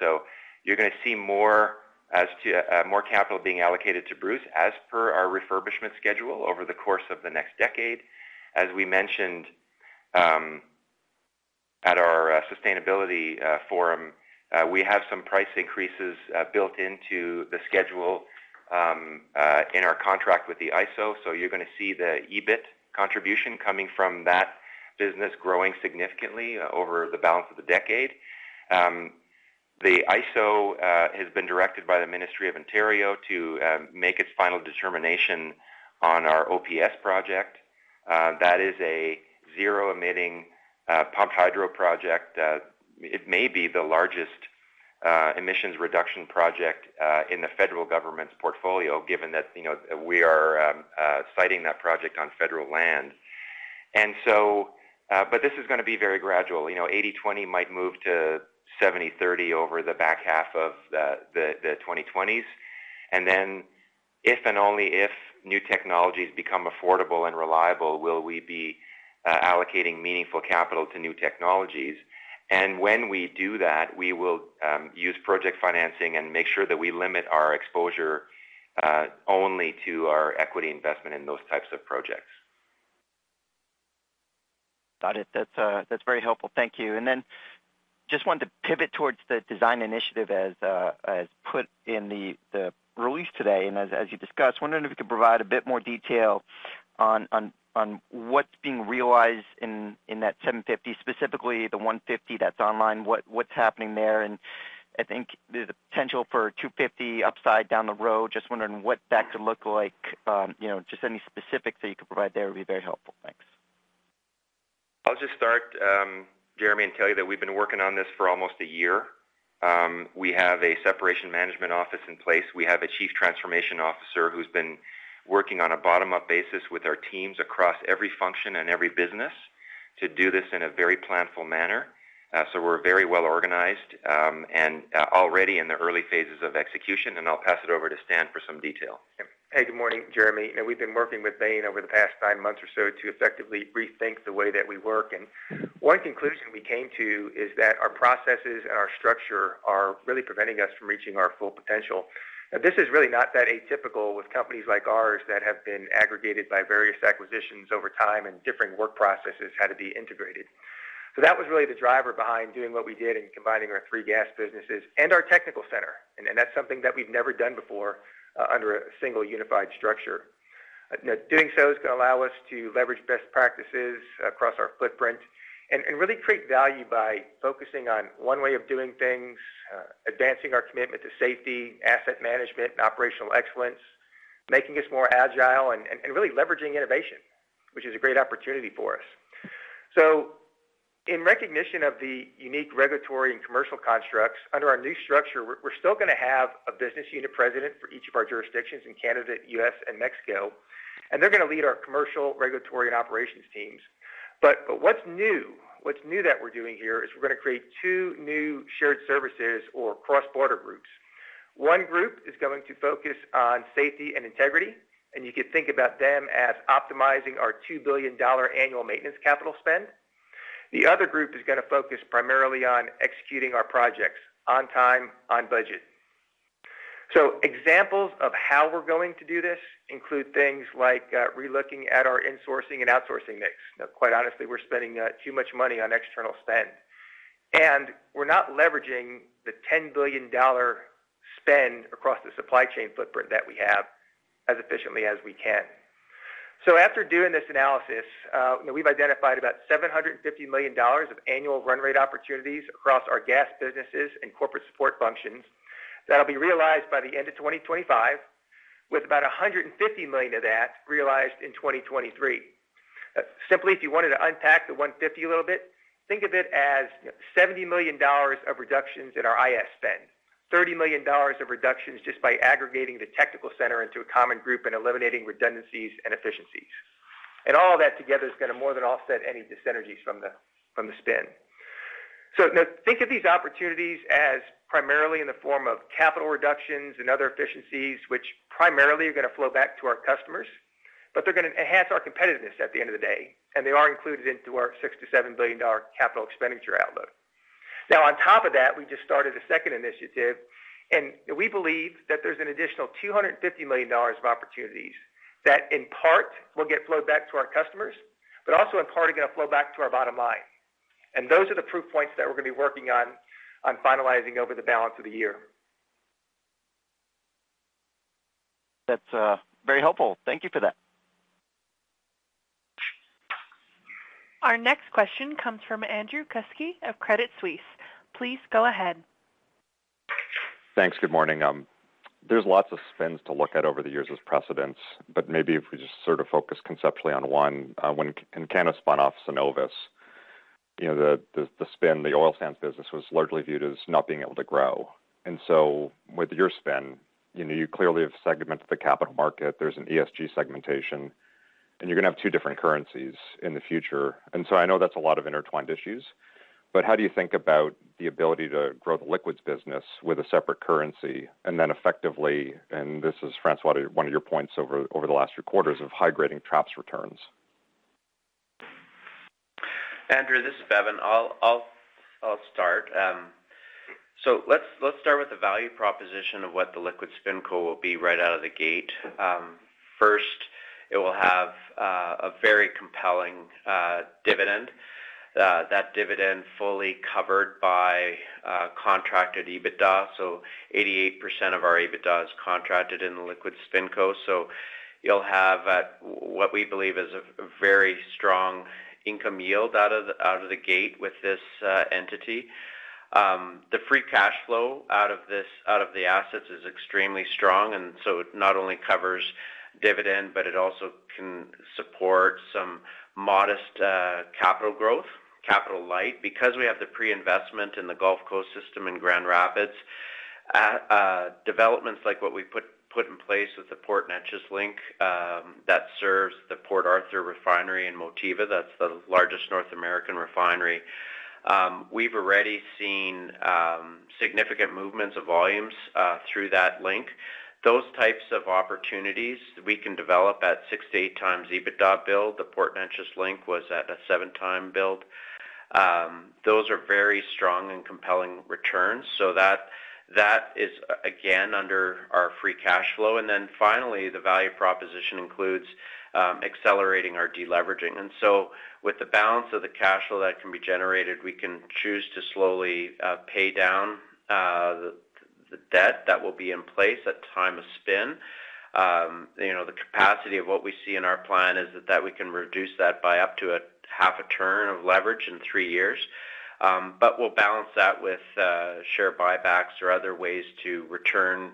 You're gonna see more as to, more capital being allocated to Bruce as per our refurbishment schedule over the course of the next decade. As we mentioned, at our sustainability forum, we have some price increases built into the schedule in our contract with the IESO. So you're gonna see the EBIT contribution coming from that business growing significantly over the balance of the decade. The IESO has been directed by the Ministry of Energy to make its final determination on our Ontario Pumped Storage Project. That is a zero-emitting pump hydro project. It may be the largest emissions reduction project in the federal government's portfolio, given that, you know, we are citing that project on federal land. But this is gonna be very gradual. You know, 80/20 might move to 70/30 over the back half of the 2020s. Then if, and only if, new technologies become affordable and reliable, will we be allocating meaningful capital to new technologies. When we do that, we will use project financing and make sure that we limit our exposure only to our equity investment in those types of projects. Got it. That's very helpful. Thank you. Just wanted to pivot towards the design initiative as put in the release today and as you discussed. Wondering if you could provide a bit more detail on what's being realized in that 750, specifically the 150 that's online. What's happening there? I think there's a potential for 250 upside down the road. Just wondering what that could look like. You know, just any specifics that you could provide there would be very helpful. Thanks. I'll just start, Jeremy, and tell you that we've been working on this for almost a year. We have a Separation Management Office in place. We have a chief transformation officer who's been working on a bottom-up basis with our teams across every function and every business to do this in a very planful manner. We're very well organized, and already in the early phases of execution, and I'll pass it over to Stan for some detail. Hey, good morning, Jeremy. We've been working with Bain over the past nine months or so to effectively rethink the way that we work. One conclusion we came to is that our processes and our structure are really preventing us from reaching our full potential. This is really not that atypical with companies like ours that have been aggregated by various acquisitions over time and different work processes had to be integrated. That was really the driver behind doing what we did in combining our three gas businesses and our technical center. That's something that we've never done before under a single unified structure. Doing so is gonna allow us to leverage best practices across our footprint and really create value by focusing on one way of doing things, advancing our commitment to safety, asset management, and operational excellence, making us more agile and really leveraging innovation, which is a great opportunity for us. In recognition of the unique regulatory and commercial constructs under our new structure, we're still gonna have a business unit president for each of our jurisdictions in Canada, U.S., and Mexico, and they're gonna lead our commercial, regulatory, and operations teams. What's new that we're doing here is we're gonna create two new shared services or cross-border groups. One group is going to focus on safety and integrity, and you can think about them as optimizing our two billion dollar annual maintenance capital spend. The other group is gonna focus primarily on executing our projects on time, on budget. Examples of how we're going to do this include things like relooking at our insourcing and outsourcing mix. Quite honestly, we're spending too much money on external spend, and we're not leveraging the 10 billion dollar spend across the supply chain footprint that we have as efficiently as we can. After doing this analysis, we've identified about 750 million dollars of annual run rate opportunities across our gas businesses and corporate support functions. That'll be realized by the end of 2025, with about $150 million of that realized in 2023. Simply, if you wanted to unpack the 150 a little bit, think of it as $70 million of reductions in our IS spend, $30 million of reductions just by aggregating the technical center into a common group and eliminating redundancies and efficiencies. All of that together is gonna more than offset any dis-synergies from the, from the spin. Now think of these opportunities as primarily in the form of capital reductions and other efficiencies, which primarily are gonna flow back to our customers, but they're gonna enhance our competitiveness at the end of the day, and they are included into our $6 billion-$7 billion capital expenditure outlook. On top of that, we just started a second initiative, and we believe that there's an additional $250 million of opportunities that, in part, will get flowed back to our customers, but also in part, are gonna flow back to our bottom line. Those are the proof points that we're gonna be working on finalizing over the balance of the year. That's, very helpful. Thank you for that. Our next question comes from Andrew Kuske of Credit Suisse. Please go ahead. Thanks. Good morning. There's lots of spins to look at over the years as precedents, but maybe if we just sort of focus conceptually on one. When Encana spun off Cenovus, you know, the spin, the oil sands business, was largely viewed as not being able to grow. With your spin, you know, you clearly have segmented the capital market. There's an ESG segmentation, and you're gonna have two different currencies in the future. I know that's a lot of intertwined issues, but how do you think about the ability to grow the liquids business with a separate currency, and then effectively, and this is, François, one of your points over the last three quarters of high-grading traps returns? Andrew, this is Bevin. I'll start. Let's start with the value proposition of what the liquid spin co will be right out of the gate. First, it will have a very compelling dividend. That dividend fully covered by contracted EBITDA, so 88% of our EBITDA is contracted in the liquid spin co. You'll have what we believe is a very strong income yield out of the gate with this entity. The free cash flow out of the assets is extremely strong, and so it not only covers dividend, but it also can support some modest capital growth, capital light. We have the pre-investment in the Gulf Coast system in Grand Rapids, developments like what we put in place with the Port Neches Link, that serves the Port Arthur Refinery in Motiva, that's the largest North American refinery. We've already seen significant movements of volumes through that link. Those types of opportunities we can develop at 6 to 8 times EBITDA build. The Port Neches Link was at a 7-time build. Those are very strong and compelling returns. Finally, the value proposition includes accelerating our deleveraging. With the balance of the cash flow that can be generated, we can choose to slowly pay down the debt that will be in place at time of spin. You know, the capacity of what we see in our plan is that we can reduce that by up to a half a turn of leverage in three years. We'll balance that with share buybacks or other ways to return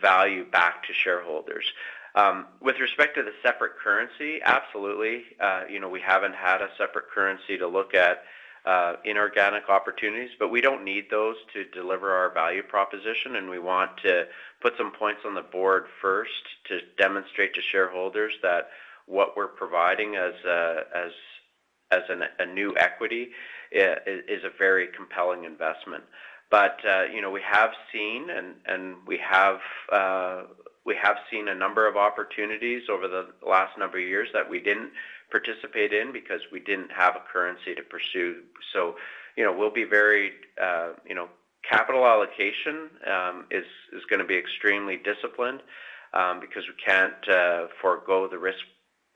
value back to shareholders. With respect to the separate currency, absolutely, you know, we haven't had a separate currency to look at inorganic opportunities, but we don't need those to deliver our value proposition, and we want to put some points on the board first to demonstrate to shareholders that what we're providing as a new equity is a very compelling investment. You know, we have seen a number of opportunities over the last number of years that we didn't participate in because we didn't have a currency to pursue. You know, we'll be very. You know, capital allocation is gonna be extremely disciplined because we can't forego the risk,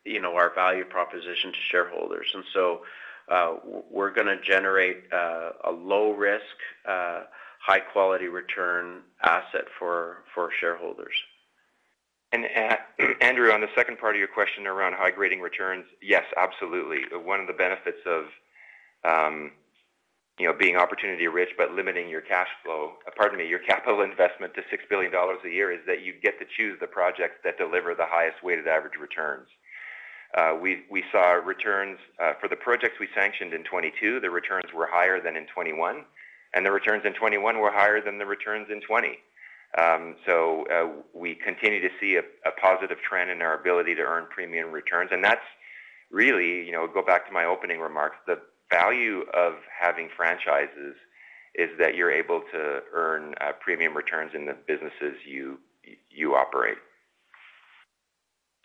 you know, our value proposition to shareholders. We're gonna generate a low risk, high-quality return asset for shareholders. Andrew, on the second part of your question around high-grading returns, yes, absolutely. One of the benefits of, you know, being opportunity-rich but limiting your cash flow, pardon me, your capital investment to $6 billion a year, is that you get to choose the projects that deliver the highest weighted average returns. We saw returns for the projects we sanctioned in 2022, the returns were higher than in 2021, and the returns in 2021 were higher than the returns in 20. We continue to see a positive trend in our ability to earn premium returns, and that's really, you know, go back to my opening remarks. The value of having franchises is that you're able to earn premium returns in the businesses you operate.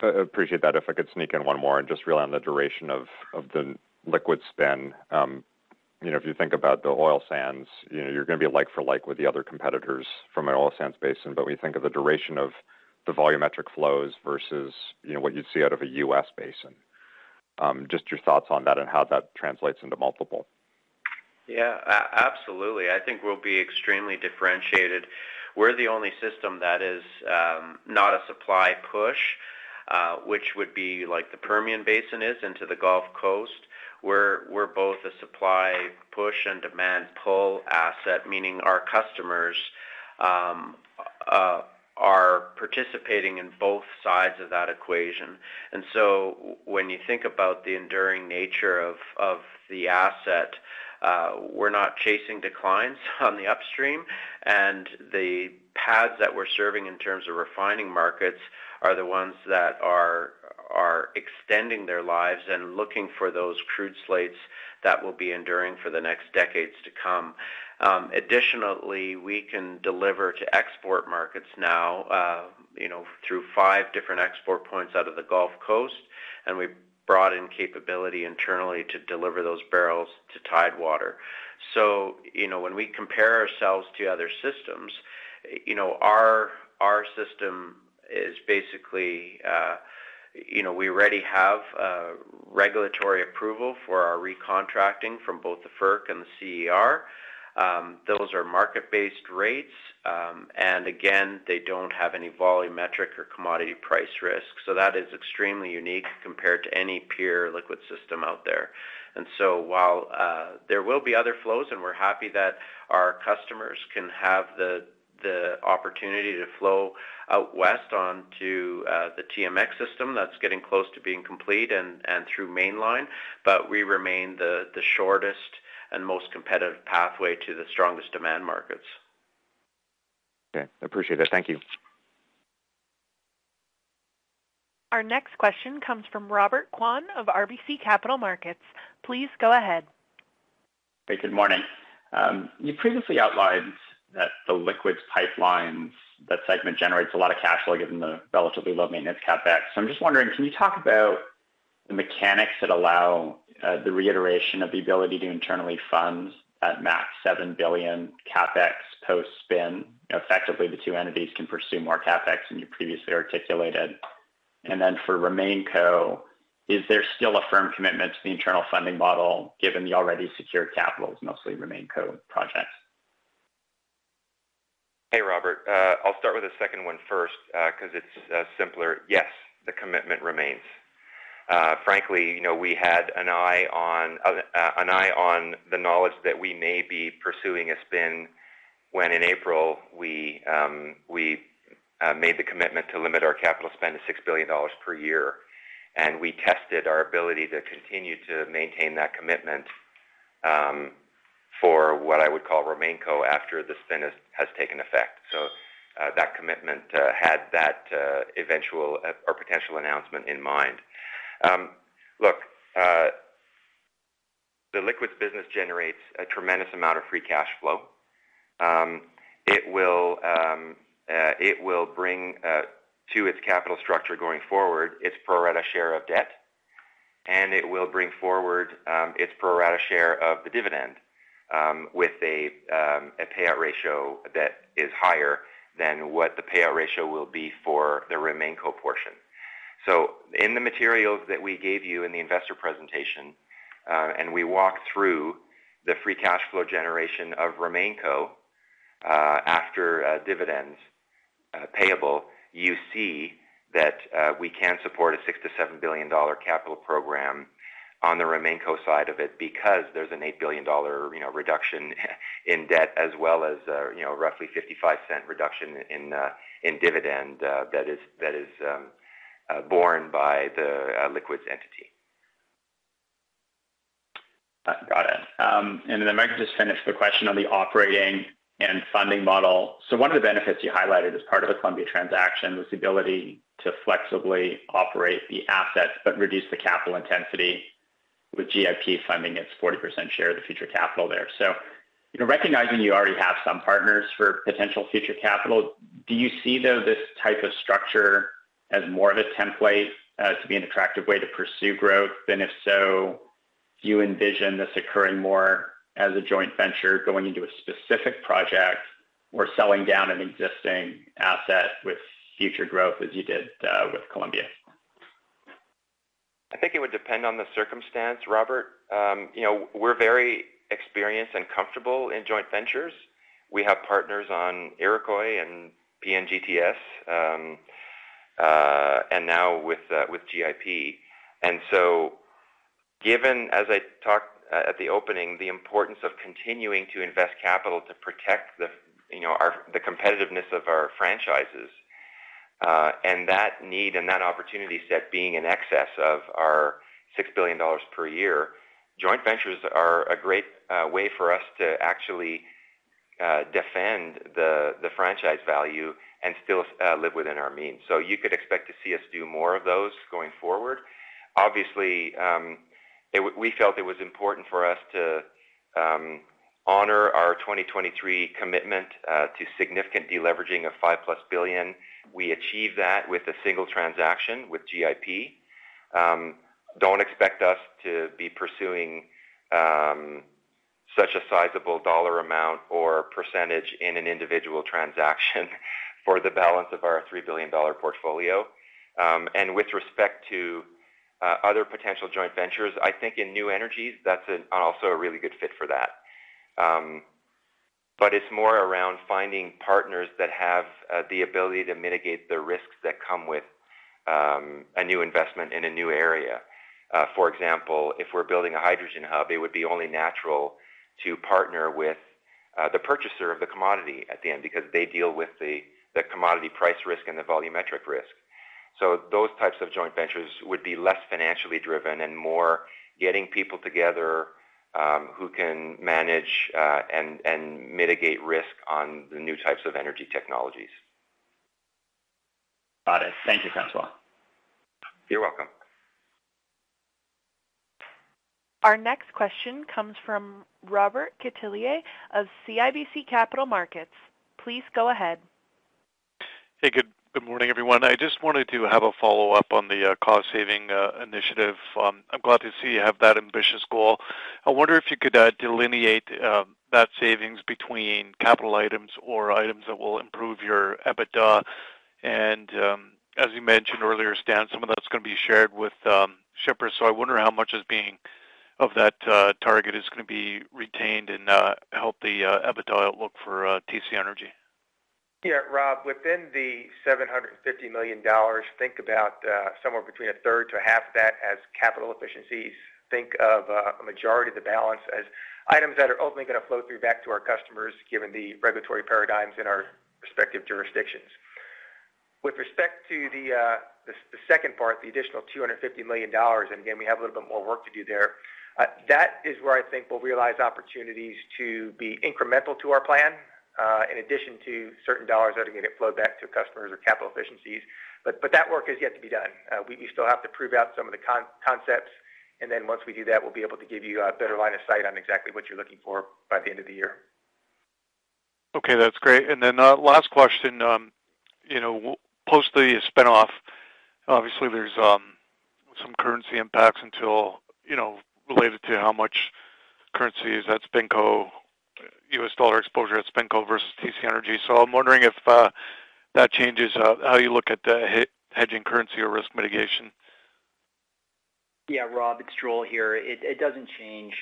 I appreciate that. If I could sneak in one more and just rely on the duration of the liquid spin. You know, if you think about the oil sands, you know, you're gonna be like for like with the other competitors from an oil sands basin. We think of the duration of the volumetric flows versus, you know, what you'd see out of a U.S. basin. Just your thoughts on that and how that translates into multiple. Absolutely. I think we'll be extremely differentiated. We're the only system that is not a supply push, which would be like the Permian Basin is into the Gulf Coast, where we're both a supply push and demand pull asset, meaning our customers are participating in both sides of that equation. When you think about the enduring nature of the asset, we're not chasing declines on the upstream, and the paths that we're serving in terms of refining markets are extending their lives and looking for those crude slates that will be enduring for the next decades to come. Additionally, we can deliver to export markets now, you know, through 5 different export points out of the Gulf Coast, and we brought in capability internally to deliver those barrels to Tidewater. You know, when we compare ourselves to other systems, you know, our system is basically, you know, we already have regulatory approval for our recontracting from both the FERC and the CER. Those are market-based rates, and again, they don't have any volumetric or commodity price risk, so that is extremely unique compared to any peer liquid system out there. While there will be other flows, and we're happy that our customers can have the opportunity to flow out west onto the TMX system, that's getting close to being complete and through Mainline, but we remain the shortest and most competitive pathway to the strongest demand markets. Okay, appreciate it. Thank you. Our next question comes from Robert Kwan of RBC Capital Markets. Please go ahead. Hey, good morning. You previously outlined that the Liquids Pipelines, that segment generates a lot of cash flow, given the relatively low maintenance CapEx. I'm just wondering, can you talk about the mechanics that allow the reiteration of the ability to internally fund at max 7 billion CapEx post-spin? Effectively, the two entities can pursue more CapEx than you previously articulated. For RemainCo, is there still a firm commitment to the internal funding model, given the already secured capital, mostly RemainCo projects? Hey, Robert. I'll start with the second one first, because it's simpler. Yes, the commitment remains. Frankly, you know, we had an eye on an eye on the knowledge that we may be pursuing a spin, when in April we made the commitment to limit our capital spend to 6 billion dollars per year. We tested our ability to continue to maintain that commitment for what I would call RemainCo after the spin has taken effect. That commitment had that eventual or potential announcement in mind. Look, the liquids business generates a tremendous amount of free cash flow. It will bring to its capital structure going forward, its pro rata share of debt, and it will bring forward its pro rata share of the dividend with a payout ratio that is higher than what the payout ratio will be for the RemainCo portion. In the materials that we gave you in the investor presentation, and we walked through the free cash flow generation of RemainCo after dividends payable, you see that we can support a 6 billion-7 billion dollar capital program on the RemainCo side of it because there's a 8 billion dollar, you know, reduction in debt, as well as, you know, roughly 0.55 reduction in dividend that is borne by the liquids entity. Got it. I might just finish the question on the operating and funding model. One of the benefits you highlighted as part of the Columbia transaction was the ability to flexibly operate the assets, but reduce the capital intensity with GIP funding, its 40% share of the future capital there. You know, recognizing you already have some partners for potential future capital, do you see, though, this type of structure as more of a template to be an attractive way to pursue growth? If so, do you envision this occurring more as a joint venture going into a specific project or selling down an existing asset with future growth, as you did with Columbia? I think it would depend on the circumstance, Robert. You know, we're very experienced and comfortable in joint ventures. We have partners on Iroquois and PNGTS, and now with GIP. Given, as I talked at the opening, the importance of continuing to invest capital to protect, you know, the competitiveness of our franchises, and that need and that opportunity set being in excess of our 6 billion dollars per year, joint ventures are a great way for us to actually defend the franchise value and still live within our means. You could expect to see us do more of those going forward. Obviously, we felt it was important for us to honor our 2023 commitment to significant deleveraging of 5+ billion. We achieved that with a single transaction with GIP. Don't expect us to be pursuing such a sizable dollar amount or percentage in an individual transaction for the balance of our 3 billion dollar portfolio. With respect to other potential joint ventures, I think in new energies, that's an also a really good fit for that. It's more around finding partners that have the ability to mitigate the risks that come with a new investment in a new area. For example, if we're building a hydrogen hub, it would be only natural to partner with the purchaser of the commodity at the end, because they deal with the commodity price risk and the volumetric risk. Those types of joint ventures would be less financially driven and more getting people together, who can manage and mitigate risk on the new types of energy technologies. Got it. Thank you, François. You're welcome. Our next question comes from Robert Catellier of CIBC Capital Markets. Please go ahead. Good morning, everyone. I just wanted to have a follow-up on the cost saving initiative. I'm glad to see you have that ambitious goal. I wonder if you could delineate that savings between capital items or items that will improve your EBITDA. As you mentioned earlier, Stan, some of that's gonna be shared with shippers, so I wonder how much of that target is gonna be retained and help the EBITDA outlook for TC Energy. Rob, within the $750 million, think about somewhere between a third to a half of that as capital efficiencies. Think of a majority of the balance as items that are ultimately gonna flow through back to our customers, given the regulatory paradigms in our respective jurisdictions. With respect to the second part, the additional $250 million, again, we have a little bit more work to do there. That is where I think we'll realize opportunities to be incremental to our plan, in addition to certain dollars that are going to flow back to customers or capital efficiencies. That work is yet to be done. We still have to prove out some of the concepts, and then once we do that, we'll be able to give you a better line of sight on exactly what you're looking for by the end of the year. Okay, that's great. Last question, post the spin-off, obviously, there's some currency impacts until, related to how much currency is at SpinCo, US dollar exposure at SpinCo versus TC Energy. I'm wondering if that changes how you look at the hedging currency or risk mitigation? Yeah, Rob, it's Joel Hunter here. It doesn't change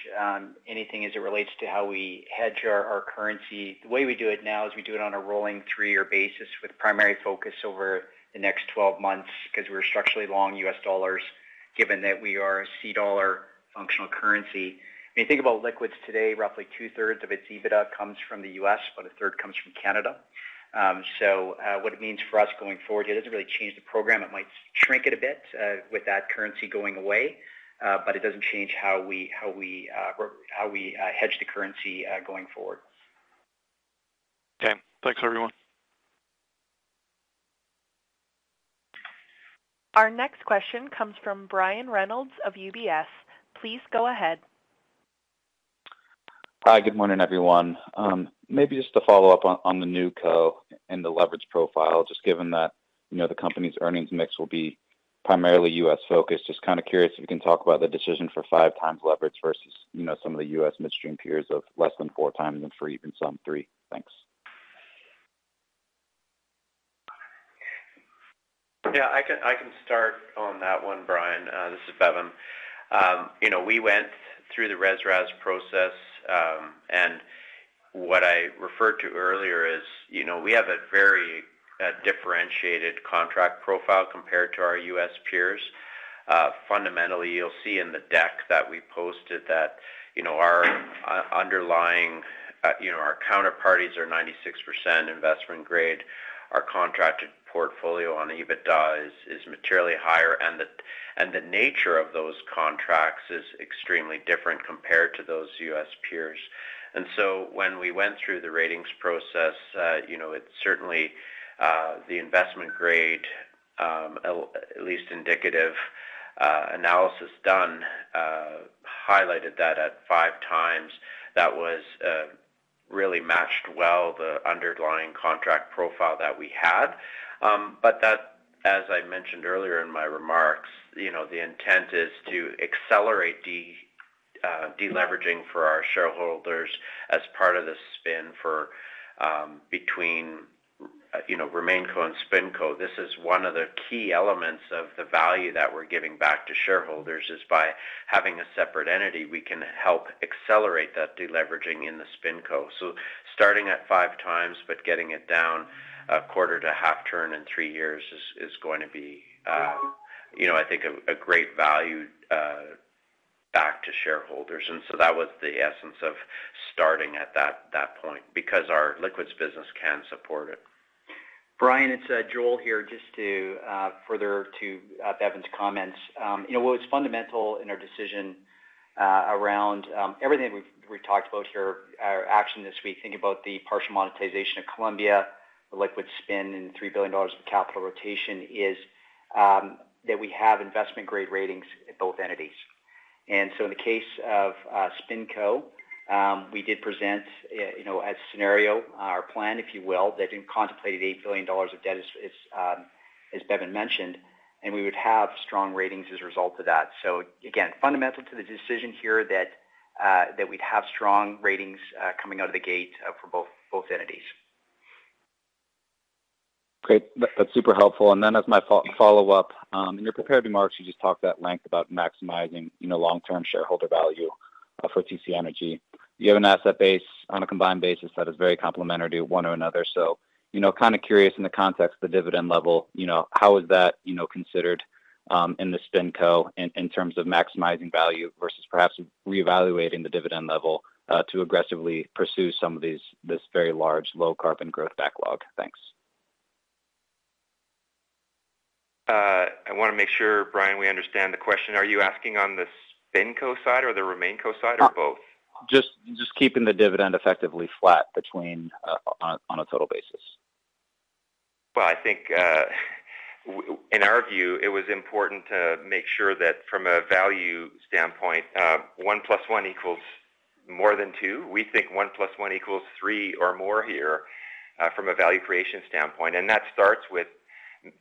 anything as it relates to how we hedge our currency. The way we do it now is we do it on a rolling three-year basis with primary focus over the next 12 months because we're structurally long US dollars, given that we are a C-dollar functional currency. When you think about liquids today, roughly two-thirds of its EBITDA comes from the U.S., but a third comes from Canada. What it means for us going forward, it doesn't really change the program. It might shrink it a bit with that currency going away, but it doesn't change how we, or how we hedge the currency going forward. Okay. Thanks, everyone. Our next question comes from Brian Reynolds of UBS. Please go ahead. Hi, good morning, everyone. maybe just to follow up on the NewCo and the leverage profile, just given that, you know, the company's earnings mix will be primarily U.S. focused. Just kind of curious if you can talk about the decision for five times leverage versus, you know, some of the U.S. midstream peers of less than four times, and for even some, three. Thanks. Yeah, I can start on that one, Brian. This is Bevin. You know, we went through the RES/RAS process, and what I referred to earlier is, you know, we have a very differentiated contract profile compared to our U.S. peers. Fundamentally, you'll see in the deck that we posted that, you know, our underlying, you know, our counterparties are 96% investment grade. Our contracted portfolio on EBITDA is materially higher, and the nature of those contracts is extremely different compared to those U.S. peers. When we went through the ratings process, you know, it certainly the investment grade at least indicative analysis done highlighted that at five times, that was really matched well the underlying contract profile that we had. That, as I mentioned earlier in my remarks, you know, the intent is to accelerate deleveraging for our shareholders as part of the spin for between, you know, RemainCo and SpinCo. This is one of the key elements of the value that we're giving back to shareholders is by having a separate entity, we can help accelerate that deleveraging in the SpinCo. Starting at five times, but getting it down a quarter to half turn in 3 years is going to be, you know, I think a great value the shareholders. That was the essence of starting at that point, because our liquids business can support it. Brian, it's Joel here. Just to further to Bevin's comments, you know, what was fundamental in our decision around everything we've talked about here, our action this week, think about the partial monetization of Columbia, the liquid spin, and 3 billion dollars of capital rotation is that we have investment-grade ratings at both entities. In the case of SpinCo, we did present, you know, as a scenario, our plan, if you will, that contemplated 8 billion dollars of debt, as Bevin mentioned, and we would have strong ratings as a result of that. Again, fundamental to the decision here that we'd have strong ratings coming out of the gate for both entities. Great. That's super helpful. As my follow-up, in your prepared remarks, you just talked at length about maximizing, you know, long-term shareholder value for TC Energy. You have an asset base on a combined basis that is very complementary to one another. You know, kind of curious in the context of the dividend level, you know, how is that, you know, considered in the SpinCo in terms of maximizing value versus perhaps reevaluating the dividend level to aggressively pursue this very large low-carbon growth backlog? Thanks. I wanna make sure, Brian, we understand the question. Are you asking on the SpinCo side or the RemainCo side, or both? Just keeping the dividend effectively flat between on a total basis. Well, I think, in our view, it was important to make sure that from a value standpoint, one plus one equals more than two. We think one plus one equals three or more here, from a value creation standpoint. That starts with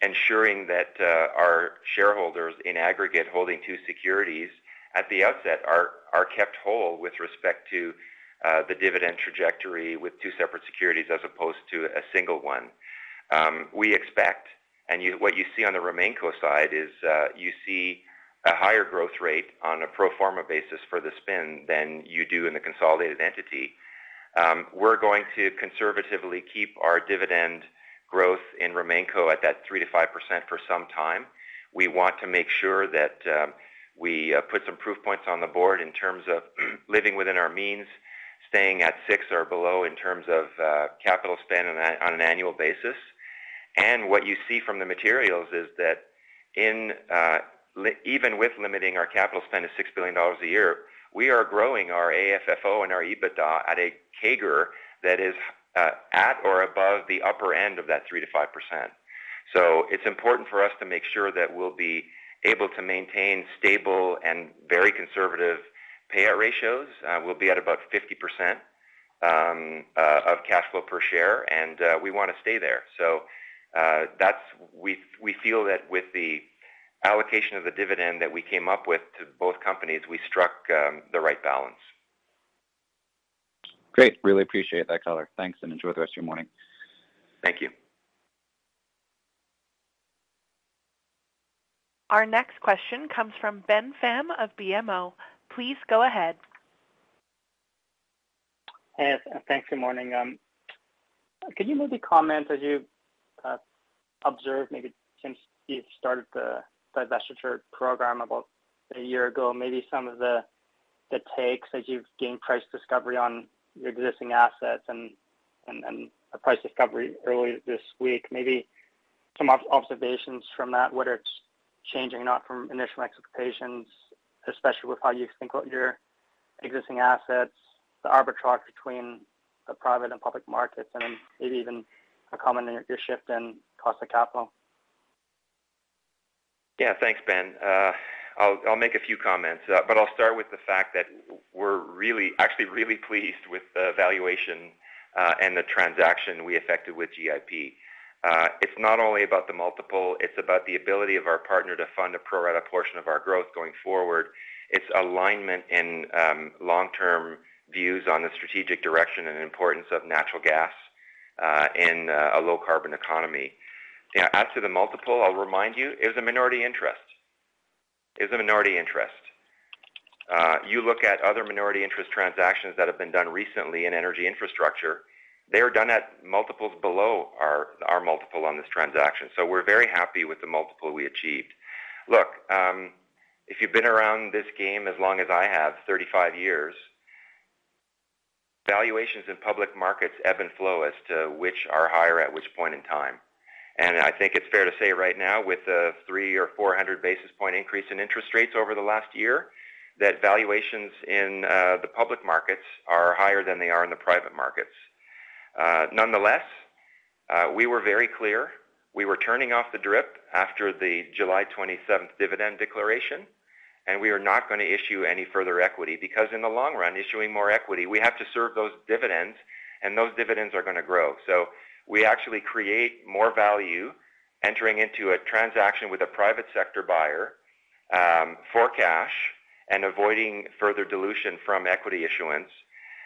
ensuring that our shareholders, in aggregate holding two securities at the outset, are kept whole with respect to the dividend trajectory with two separate securities as opposed to a single one. We expect, what you see on the RemainCo side is, you see a higher growth rate on a pro forma basis for the spin than you do in the consolidated entity. We're going to conservatively keep our dividend growth in RemainCo at that 3%-5% for some time. We want to make sure that we put some proof points on the board in terms of living within our means, staying at 6 billion or below in terms of capital spend on an annual basis. What you see from the materials is that even with limiting our capital spend to 6 billion dollars a year, we are growing our AFFO and our EBITDA at a CAGR that is at or above the upper end of that 3%-5%. It's important for us to make sure that we'll be able to maintain stable and very conservative payout ratios. We'll be at about 50% of cash flow per share, and we wanna stay there. We feel that with the allocation of the dividend that we came up with to both companies, we struck the right balance. Great. Really appreciate that color. Thanks. Enjoy the rest of your morning. Thank you. Our next question comes from Ben Pham of BMO. Please go ahead. Yes, thanks. Good morning. Could you maybe comment, as you observed, maybe since you started the divestiture program about a year ago, maybe some of the takes as you've gained price discovery on your existing assets and the price discovery earlier this week? Maybe some observations from that, whether it's changing or not from initial expectations, especially with how you think about your existing assets, the arbitrage between the private and public markets, and maybe even a comment on your shift in cost of capital. Thanks, Ben. I'll make a few comments, I'll start with the fact that we're actually really pleased with the valuation and the transaction we effected with GIP. It's not only about the multiple, it's about the ability of our partner to fund a pro rata portion of our growth going forward. It's alignment in long-term views on the strategic direction and importance of natural gas in a low-carbon economy. As to the multiple, I'll remind you, it was a minority interest. It was a minority interest. You look at other minority interest transactions that have been done recently in energy infrastructure, they are done at multiples below our multiple on this transaction. We're very happy with the multiple we achieved. Look, if you've been around this game as long as I have, 35 years, valuations in public markets ebb and flow as to which are higher at which point in time. I think it's fair to say right now, with the 300 or 400 basis point increase in interest rates over the last year, that valuations in the public markets are higher than they are in the private markets. Nonetheless, we were very clear, we were turning off the DRIP after the July 27th dividend declaration, and we are not going to issue any further equity. In the long run, issuing more equity, we have to serve those dividends, and those dividends are going to grow. We actually create more value entering into a transaction with a private sector buyer for cash and avoiding further dilution from equity issuance.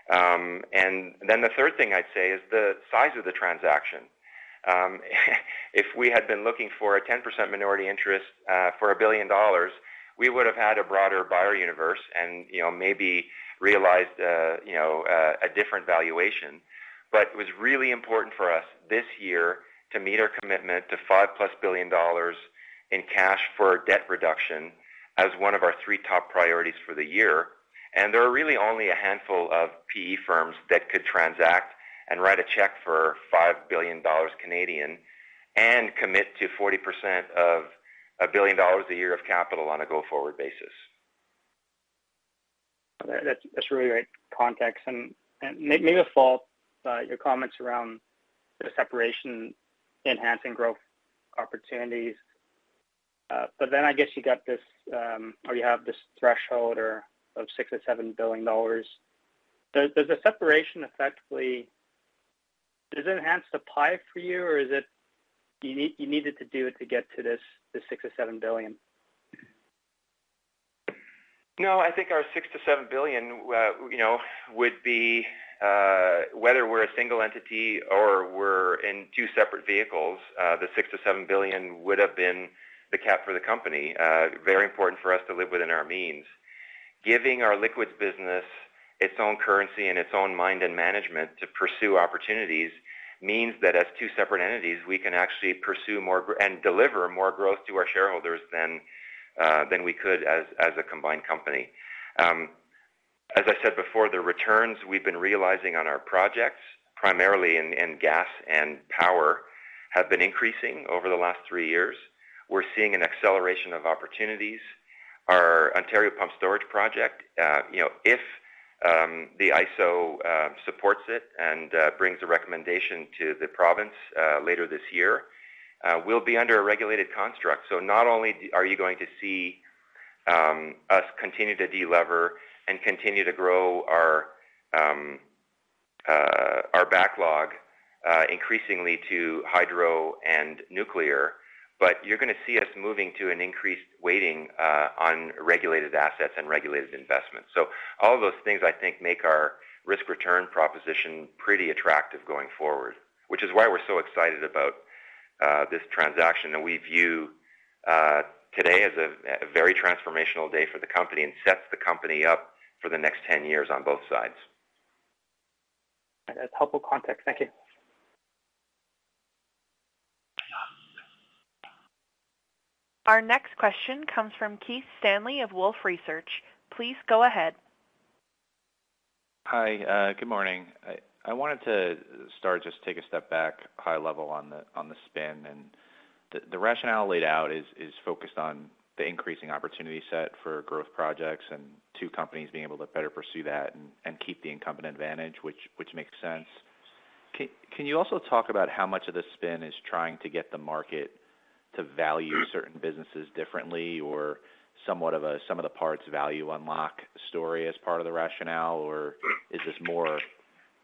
The third thing I'd say is the size of the transaction. If we had been looking for a 10% minority interest, for 1 billion dollars, we would have had a broader buyer universe and, you know, maybe realized, you know, a different valuation. It was really important for us this year to meet our commitment to 5+ billion dollars in cash for debt reduction as one of our 3 top priorities for the year. There are really only a handful of PE firms that could transact and write a check for 5 billion Canadian dollars, and commit to 40% of 1 billion dollars a year of capital on a go-forward basis. That's really great context. Maybe a fault, your comments around the separation, enhancing growth opportunities. I guess you got this, or you have this threshold or of $6 billion or $7 billion. Does the separation effectively. Does it enhance supply for you, or is it you needed to do it to get to this, the $6 billion or $7 billion? I think our 6 billion-7 billion, you know, would be, whether we're a single entity or we're in two separate vehicles, the 6 billion-7 billion would have been the cap for the company. Very important for us to live within our means. Giving our liquids business its own currency and its own mind and management to pursue opportunities, means that as two separate entities, we can actually pursue more and deliver more growth to our shareholders than we could as a combined company. As I said before, the returns we've been realizing on our projects, primarily in gas and power, have been increasing over the last 3 years. We're seeing an acceleration of opportunities. Our Ontario Pumped Storage Project, you know, if the ISO supports it and brings a recommendation to the province later this year, we'll be under a regulated construct. Not only are you going to see us continue to delever and continue to grow our backlog increasingly to hydro and nuclear, but you're gonna see us moving to an increased weighting on regulated assets and regulated investments. All those things, I think, make our risk-return proposition pretty attractive going forward. Which is why we're so excited about this transaction, and we view today as a very transformational day for the company and sets the company up for the next 10 years on both sides. That's helpful context. Thank you. Our next question comes from Keith Stanley of Wolfe Research. Please go ahead. Hi, good morning. I wanted to start, just take a step back, high level on the spin. The rationale laid out is focused on the increasing opportunity set for growth projects and two companies being able to better pursue that and keep the incumbent advantage, which makes sense. Can you also talk about how much of the spin is trying to get the market to value certain businesses differently or somewhat of a sum-of-the-parts value unlock story as part of the rationale? Is this more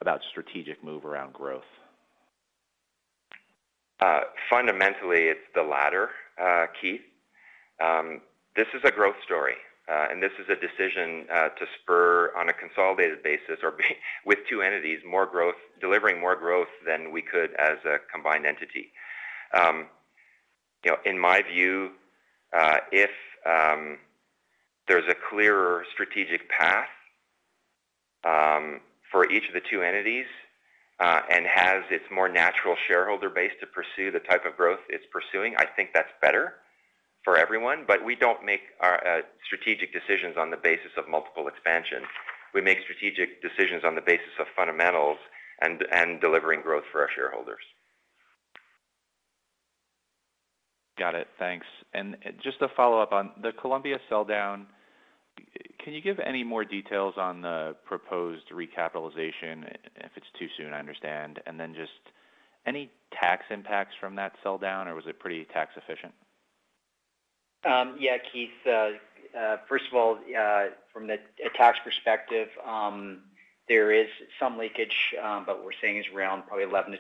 about strategic move around growth? Fundamentally, it's the latter, Keith. This is a growth story, and this is a decision to spur on a consolidated basis or be with two entities, delivering more growth than we could as a combined entity. You know, in my view, if there's a clearer strategic path for each of the two entities, and has its more natural shareholder base to pursue the type of growth it's pursuing, I think that's better for everyone. We don't make our strategic decisions on the basis of multiple expansion. We make strategic decisions on the basis of fundamentals and delivering growth for our shareholders. Got it. Thanks. Just a follow-up on the Columbia sell down, can you give any more details on the proposed recapitalization? If it's too soon, I understand. Just any tax impacts from that sell down, or was it pretty tax efficient? Yeah, Keith. First of all, from a tax perspective, there is some leakage, but we're saying is around probably 11%-12%,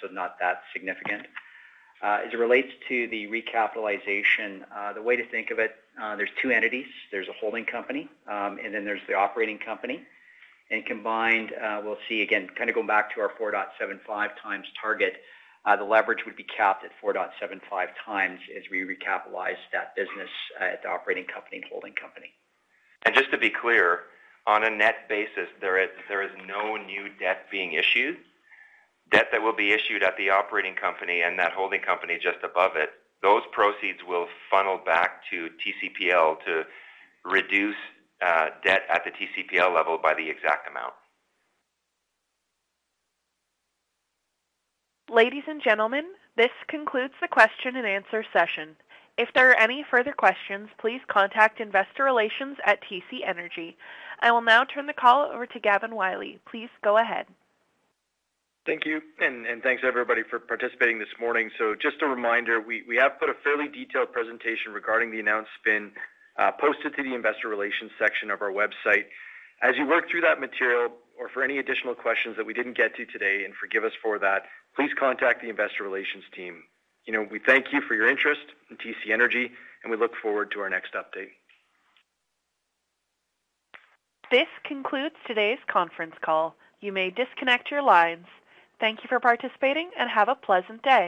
so not that significant. As it relates to the recapitalization, the way to think of it, there's two entities. There's a holding company, and then there's the operating company. Combined, we'll see, again, kind of going back to our 4.75 times target, the leverage would be capped at 4.75 times as we recapitalize that business at the operating company and holding company. Just to be clear, on a net basis, there is no new debt being issued. Debt that will be issued at the operating company and that holding company just above it, those proceeds will funnel back to TCPL to reduce debt at the TCPL level by the exact amount. Ladies and gentlemen, this concludes the question and answer session. If there are any further questions, please contact Investor Relations at TC Energy. I will now turn the call over to Gavin Wylie. Please go ahead. Thank you. Thanks, everybody, for participating this morning. Just a reminder, we have put a fairly detailed presentation regarding the announced spin posted to the Investor Relations section of our website. As you work through that material or for any additional questions that we didn't get to today, and forgive us for that, please contact the Investor Relations team. You know, we thank you for your interest in TC Energy, and we look forward to our next update. This concludes today's conference call. You may disconnect your lines. Thank you for participating, and have a pleasant day.